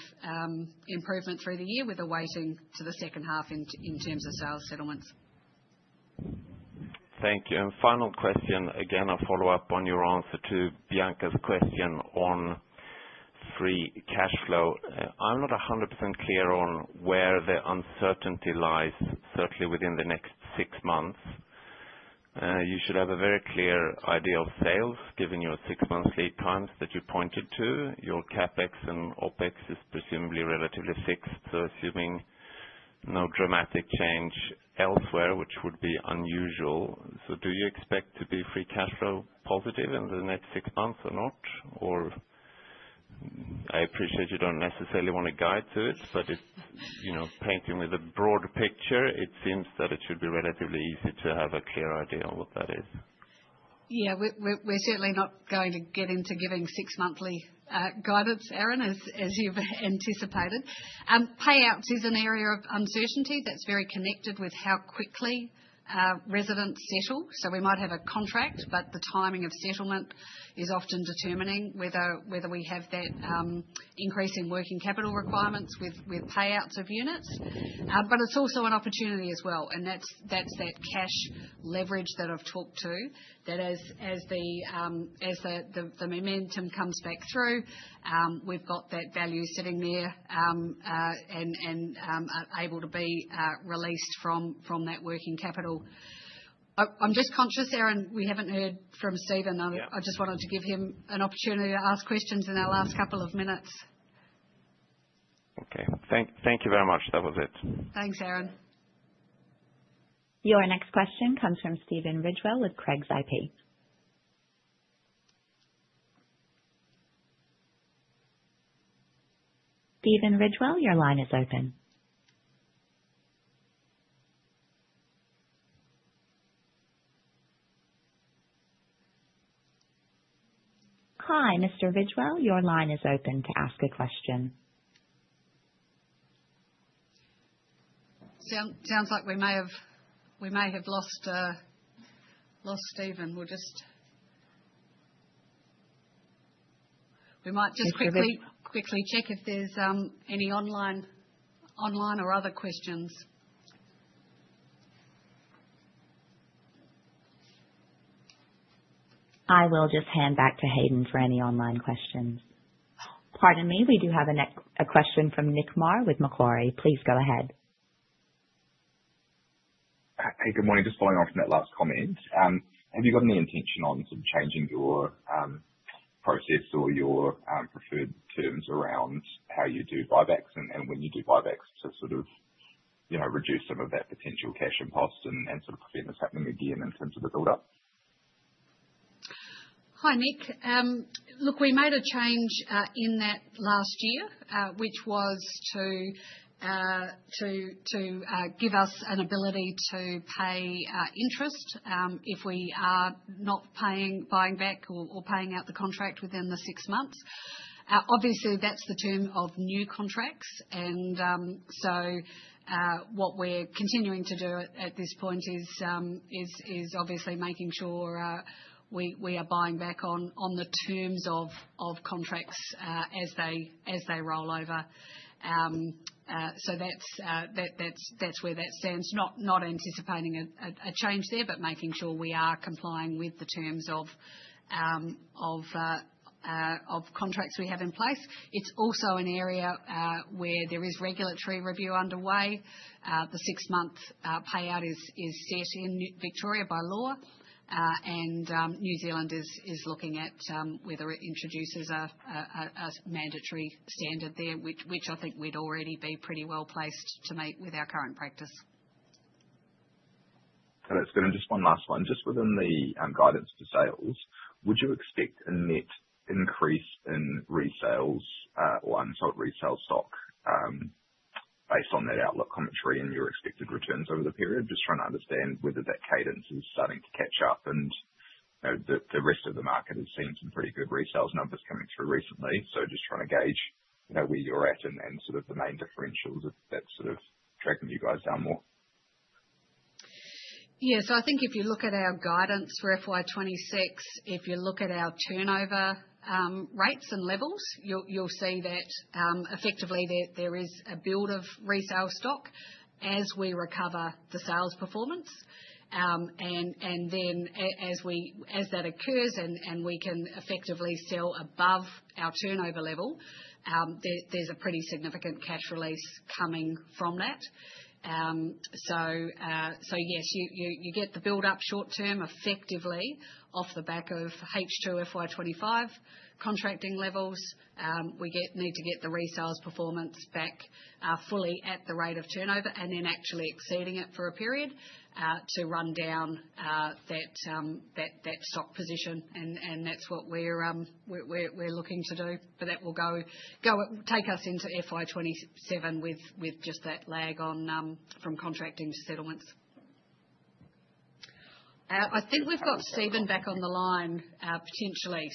improvement through the year with a waiting to the second half in terms of sales settlements. Thank you. Final question, again, a follow-up on your answer to Bianca's question on free cash flow. I'm not 100% clear on where the uncertainty lies, certainly within the next six months. You should have a very clear idea of sales given your six-month lead times that you pointed to. Your CapEx and OpEx is presumably relatively fixed. Assuming no dramatic change elsewhere, which would be unusual. Do you expect to be free cash flow positive in the next six months or not? I appreciate you don't necessarily want to guide to it, but painting with a broader picture, it seems that it should be relatively easy to have a clear idea of what that is. Yeah. We're certainly not going to get into giving six-monthly guidance, Aaron, as you've anticipated. Payouts is an area of uncertainty that's very connected with how quickly residents settle. We might have a contract, but the timing of settlement is often determining whether we have that increase in working capital requirements with payouts of units. It's also an opportunity as well. That's that cash leverage that I've talked to. As the momentum comes back through, we've got that value sitting there and able to be released from that working capital. I'm just conscious, Aaron, we haven't heard from Stephen. I just wanted to give him an opportunity to ask questions in our last couple of minutes. Okay. Thank you very much. That was it. Thanks, Aaron. Your next question comes from Stephen Ridgewell with Craigs Investment Partners. Stephen Ridgewell, your line is open. Hi, Mr. Ridgewell. Your line is open to ask a question. Sounds like we may have lost Stephen. We'll just quickly check if there's any online or other questions. I will just hand back to Hayden for any online questions. Pardon me. We do have a question from Nick Mar with Macquarie. Please go ahead. Hey, good morning. Just following on from that last comment. Have you got any intention on sort of changing your process or your preferred terms around how you do buybacks and when you do buybacks to sort of reduce some of that potential cash impulse and sort of prevent this happening again in terms of the buildup? Hi, Nick. Look, we made a change in that last year, which was to give us an ability to pay interest if we are not buying back or paying out the contract within the six months. Obviously, that's the term of new contracts. What we're continuing to do at this point is obviously making sure we are buying back on the terms of contracts as they roll over. That's where that stands. Not anticipating a change there, but making sure we are complying with the terms of contracts we have in place. It's also an area where there is regulatory review underway. The six-month payout is set in Victoria by law. New Zealand is looking at whether it introduces a mandatory standard there, which I think we'd already be pretty well placed to meet with our current practice. That's good. Just one last one. Just within the guidance for sales, would you expect a net increase in resales or unsold resale stock based on that outlook commentary and your expected returns over the period? Just trying to understand whether that cadence is starting to catch up. The rest of the market has seen some pretty good resales numbers coming through recently. Just trying to gauge where you're at and sort of the main differentials that are dragging you guys down more. Yeah. I think if you look at our guidance for FY 2026, if you look at our turnover rates and levels, you'll see that effectively there is a build of resale stock as we recover the sales performance. As that occurs and we can effectively sell above our turnover level, there is a pretty significant cash release coming from that. Yes, you get the buildup short-term effectively off the back of H2 FY 2025 contracting levels. We need to get the resales performance back fully at the rate of turnover and then actually exceeding it for a period to run down that stock position. That is what we are looking to do. That will take us into FY 2027 with just that lag from contracting to settlements. I think we have got Stephen back on the line potentially.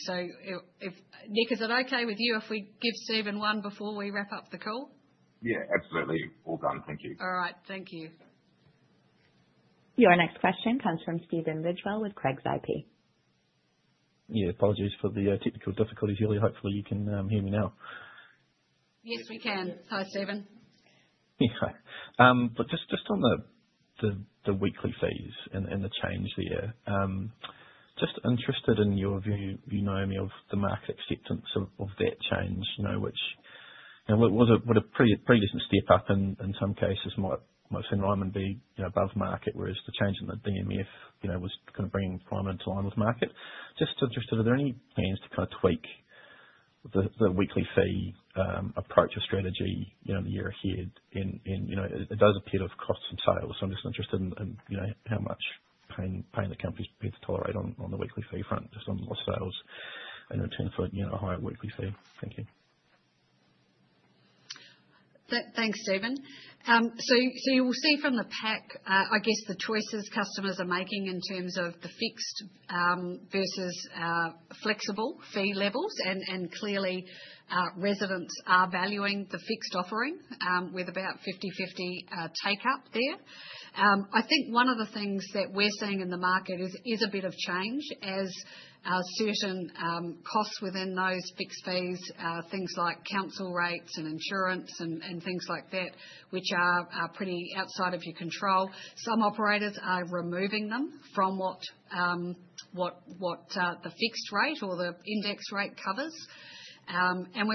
Nick, is it okay with you if we give Stephen one before we wrap up the call? Yeah. Absolutely. All done. Thank you. All right. Thank you. Your next question comes from Stephen Ridgewell with Craigs Investment Partners. Yeah. Apologies for the technical difficulty, Julie. Hopefully, you can hear me now. Yes, we can. Hi, Stephen. Just on the weekly fees and the change there, just interested in your view, Naomi, of the market acceptance of that change, which would have previously stepped up in some cases, might have seen Ryman be above market, whereas the change in the DMF was kind of bringing Ryman into line with market. Just interested, are there any plans to kind of tweak the weekly fee approach or strategy in the year ahead? It does appear to have cost some sales. I'm just interested in how much pain the companies would be able to tolerate on the weekly fee front, just on lost sales in return for a higher weekly fee. Thank you. Thanks, Stephen. You will see from the pack, I guess, the choices customers are making in terms of the fixed versus flexible fee levels. Residents are clearly valuing the fixed offering with about 50/50 take-up there. I think one of the things that we are seeing in the market is a bit of change as certain costs within those fixed fees, things like council rates and insurance and things like that, which are pretty outside of your control. Some operators are removing them from what the fixed rate or the index rate covers. We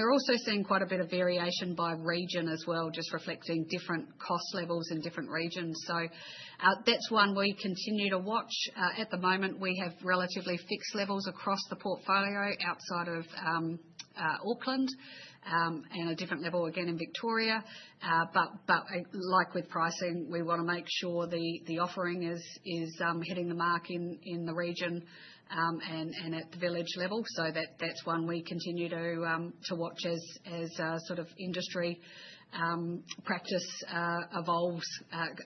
are also seeing quite a bit of variation by region as well, just reflecting different cost levels in different regions. That is one we continue to watch. At the moment, we have relatively fixed levels across the portfolio outside of Auckland and a different level again in Victoria. Like with pricing, we want to make sure the offering is hitting the mark in the region and at the village level. That's one we continue to watch as sort of industry practice evolves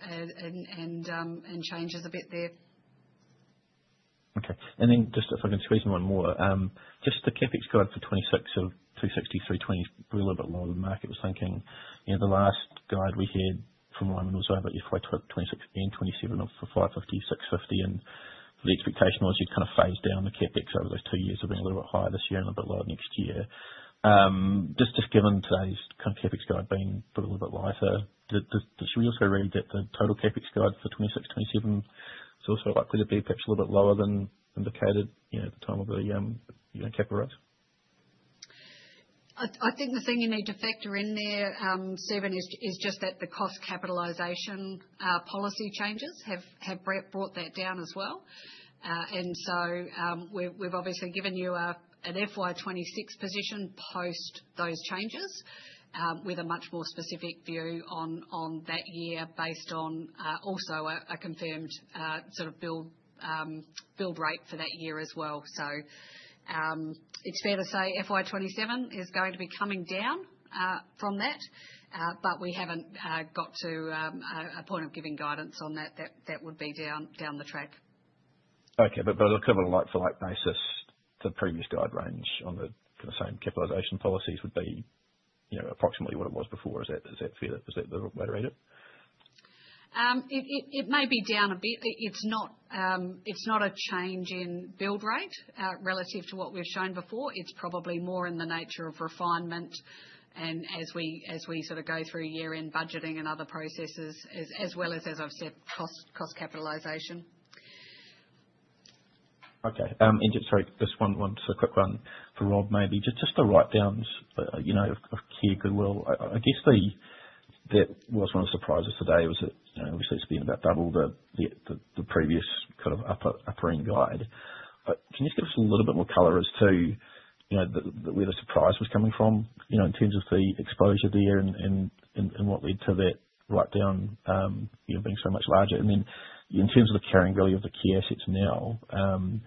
and changes a bit there. Okay. If I can squeeze in one more, just the CapEx guide for 2026 of 263 million-320 million. Probably a little bit lower than the market was thinking. The last guide we had from Ryman was over FY 2026 and FY 2027 of 550-650 million. The expectation was you'd kind of phase down the CapEx over those two years, being a little bit higher this year and a little bit lower next year. Just given today's kind of CapEx guide being a little bit lighter, should we also read that the total CapEx guide for 2026-2027 is also likely to be perhaps a little bit lower than indicated at the time of the capital rise? I think the thing you need to factor in there, Stephen, is just that the cost capitalisation policy changes have brought that down as well. We have obviously given you an FY 2026 position post those changes with a much more specific view on that year based on also a confirmed sort of build rate for that year as well. It is fair to say FY 2027 is going to be coming down from that, but we have not got to a point of giving guidance on that. That would be down the track. Okay. Looking at a like-for-like basis, the previous guide range on the same capitalisation policies would be approximately what it was before. Is that fair? Is that the right rate? It may be down a bit. It is not a change in build rate relative to what we have shown before. It's probably more in the nature of refinement and as we sort of go through year-end budgeting and other processes, as well as, as I've said, cost capitalisation. Okay. Sorry. Just one quick one for Rob maybe. Just the write-downs of care goodwill. I guess that was one of the surprises today was that obviously it's been about double the previous kind of upper-end guide. Can you just give us a little bit more color as to where the surprise was coming from in terms of the exposure there and what led to that write-down being so much larger? In terms of the carrying value of the key assets now, can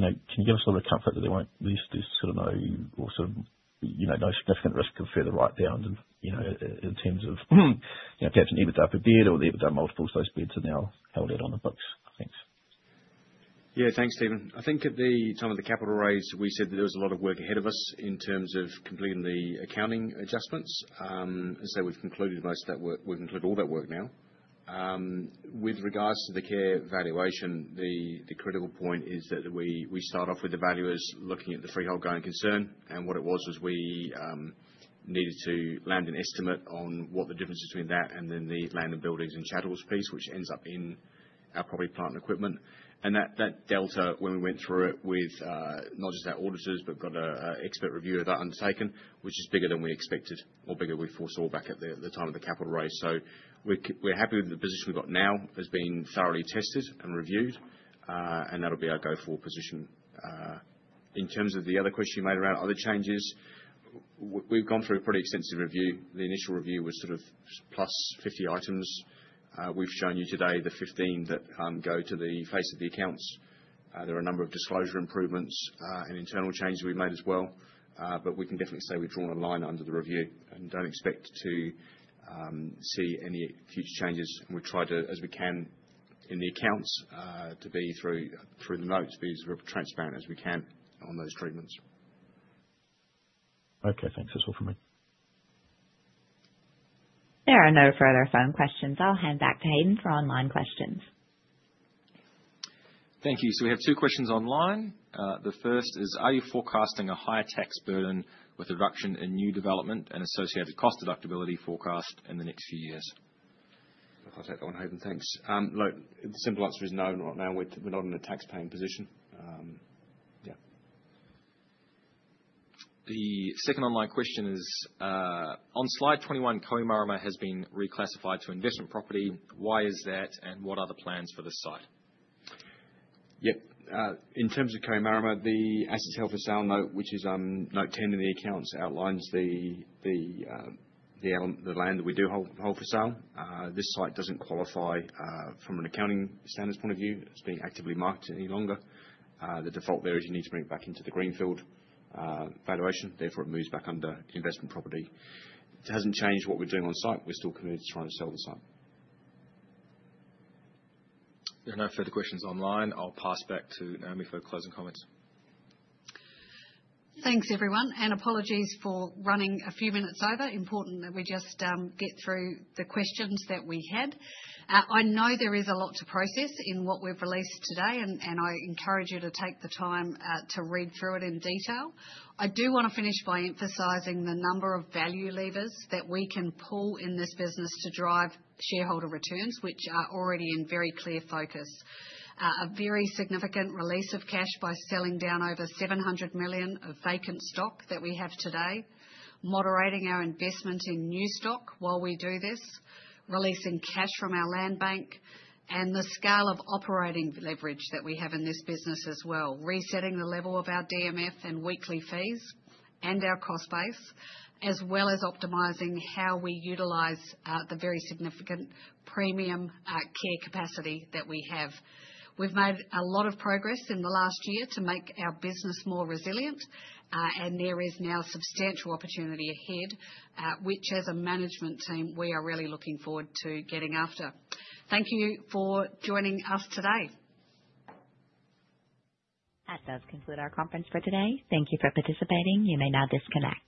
you give us a little bit of comfort that there's sort of no or sort of no significant risk of further write-downs in terms of perhaps an even-to-upper bid or the even-to-upper multiples, those bids are now held out on the books, I think. Yeah. Thanks, Stephen. I think at the time of the capital raise, we said that there was a lot of work ahead of us in terms of completing the accounting adjustments. We have concluded most of that work. We have completed all that work now. With regards to the care valuation, the critical point is that we start off with the valuers looking at the freehold going concern. What it was was we needed to land an estimate on what the difference between that and then the land and buildings and chattels piece, which ends up in our property, plant, and equipment. That delta, when we went through it with not just our auditors but got an expert review of that undertaken, is bigger than we expected or bigger than we foresaw back at the time of the capital raise. We are happy with the position we have now. It has been thoroughly tested and reviewed. That will be our go-forward position. In terms of the other question you made around other changes, we have gone through a pretty extensive review. The initial review was sort of plus 50 items. We have shown you today the 15 that go to the face of the accounts. There are a number of disclosure improvements and internal changes we've made as well. We can definitely say we've drawn a line under the review and don't expect to see any future changes. We've tried to, as we can in the accounts, to be through the notes, be as transparent as we can on those treatments. Okay. Thanks. That's all from me. There are no further phone questions. I'll hand back to Hayden for online questions. Thank you. We have two questions online. The first is, are you forecasting a higher tax burden with a reduction in new development and associated cost deductibility forecast in the next few years? I'll take that one, Hayden. Thanks. Look, the simple answer is no. Right now, we're not in a tax-paying position. Yeah. The second online question is, on slide 21, Kohimarama has been reclassified to investment property. Why is that? And what are the plans for this site? Yep. In terms of Kohimarama, the asset held for sale note, which is note 10 in the accounts, outlines the land that we do hold for sale. This site does not qualify from an accounting standards point of view. It is not being actively marketed any longer. The default there is you need to bring it back into the greenfield valuation. Therefore, it moves back under investment property. It has not changed what we are doing on site. We are still committed to trying to sell the site. There are no further questions online. I will pass back to Naomi for closing comments. Thanks, everyone. Apologies for running a few minutes over. Important that we just get through the questions that we had. I know there is a lot to process in what we have released today. I encourage you to take the time to read through it in detail. I do want to finish by emphasizing the number of value levers that we can pull in this business to drive shareholder returns, which are already in very clear focus. A very significant release of cash by selling down over 700 million of vacant stock that we have today. Moderating our investment in new stock while we do this. Releasing cash from our land bank. The scale of operating leverage that we have in this business as well. Resetting the level of our DMF and weekly fees and our cost base, as well as optimizing how we utilize the very significant premium care capacity that we have. We have made a lot of progress in the last year to make our business more resilient. There is now substantial opportunity ahead, which as a management team, we are really looking forward to getting after. Thank you for joining us today. That does conclude our conference for today. Thank you for participating. You may now disconnect.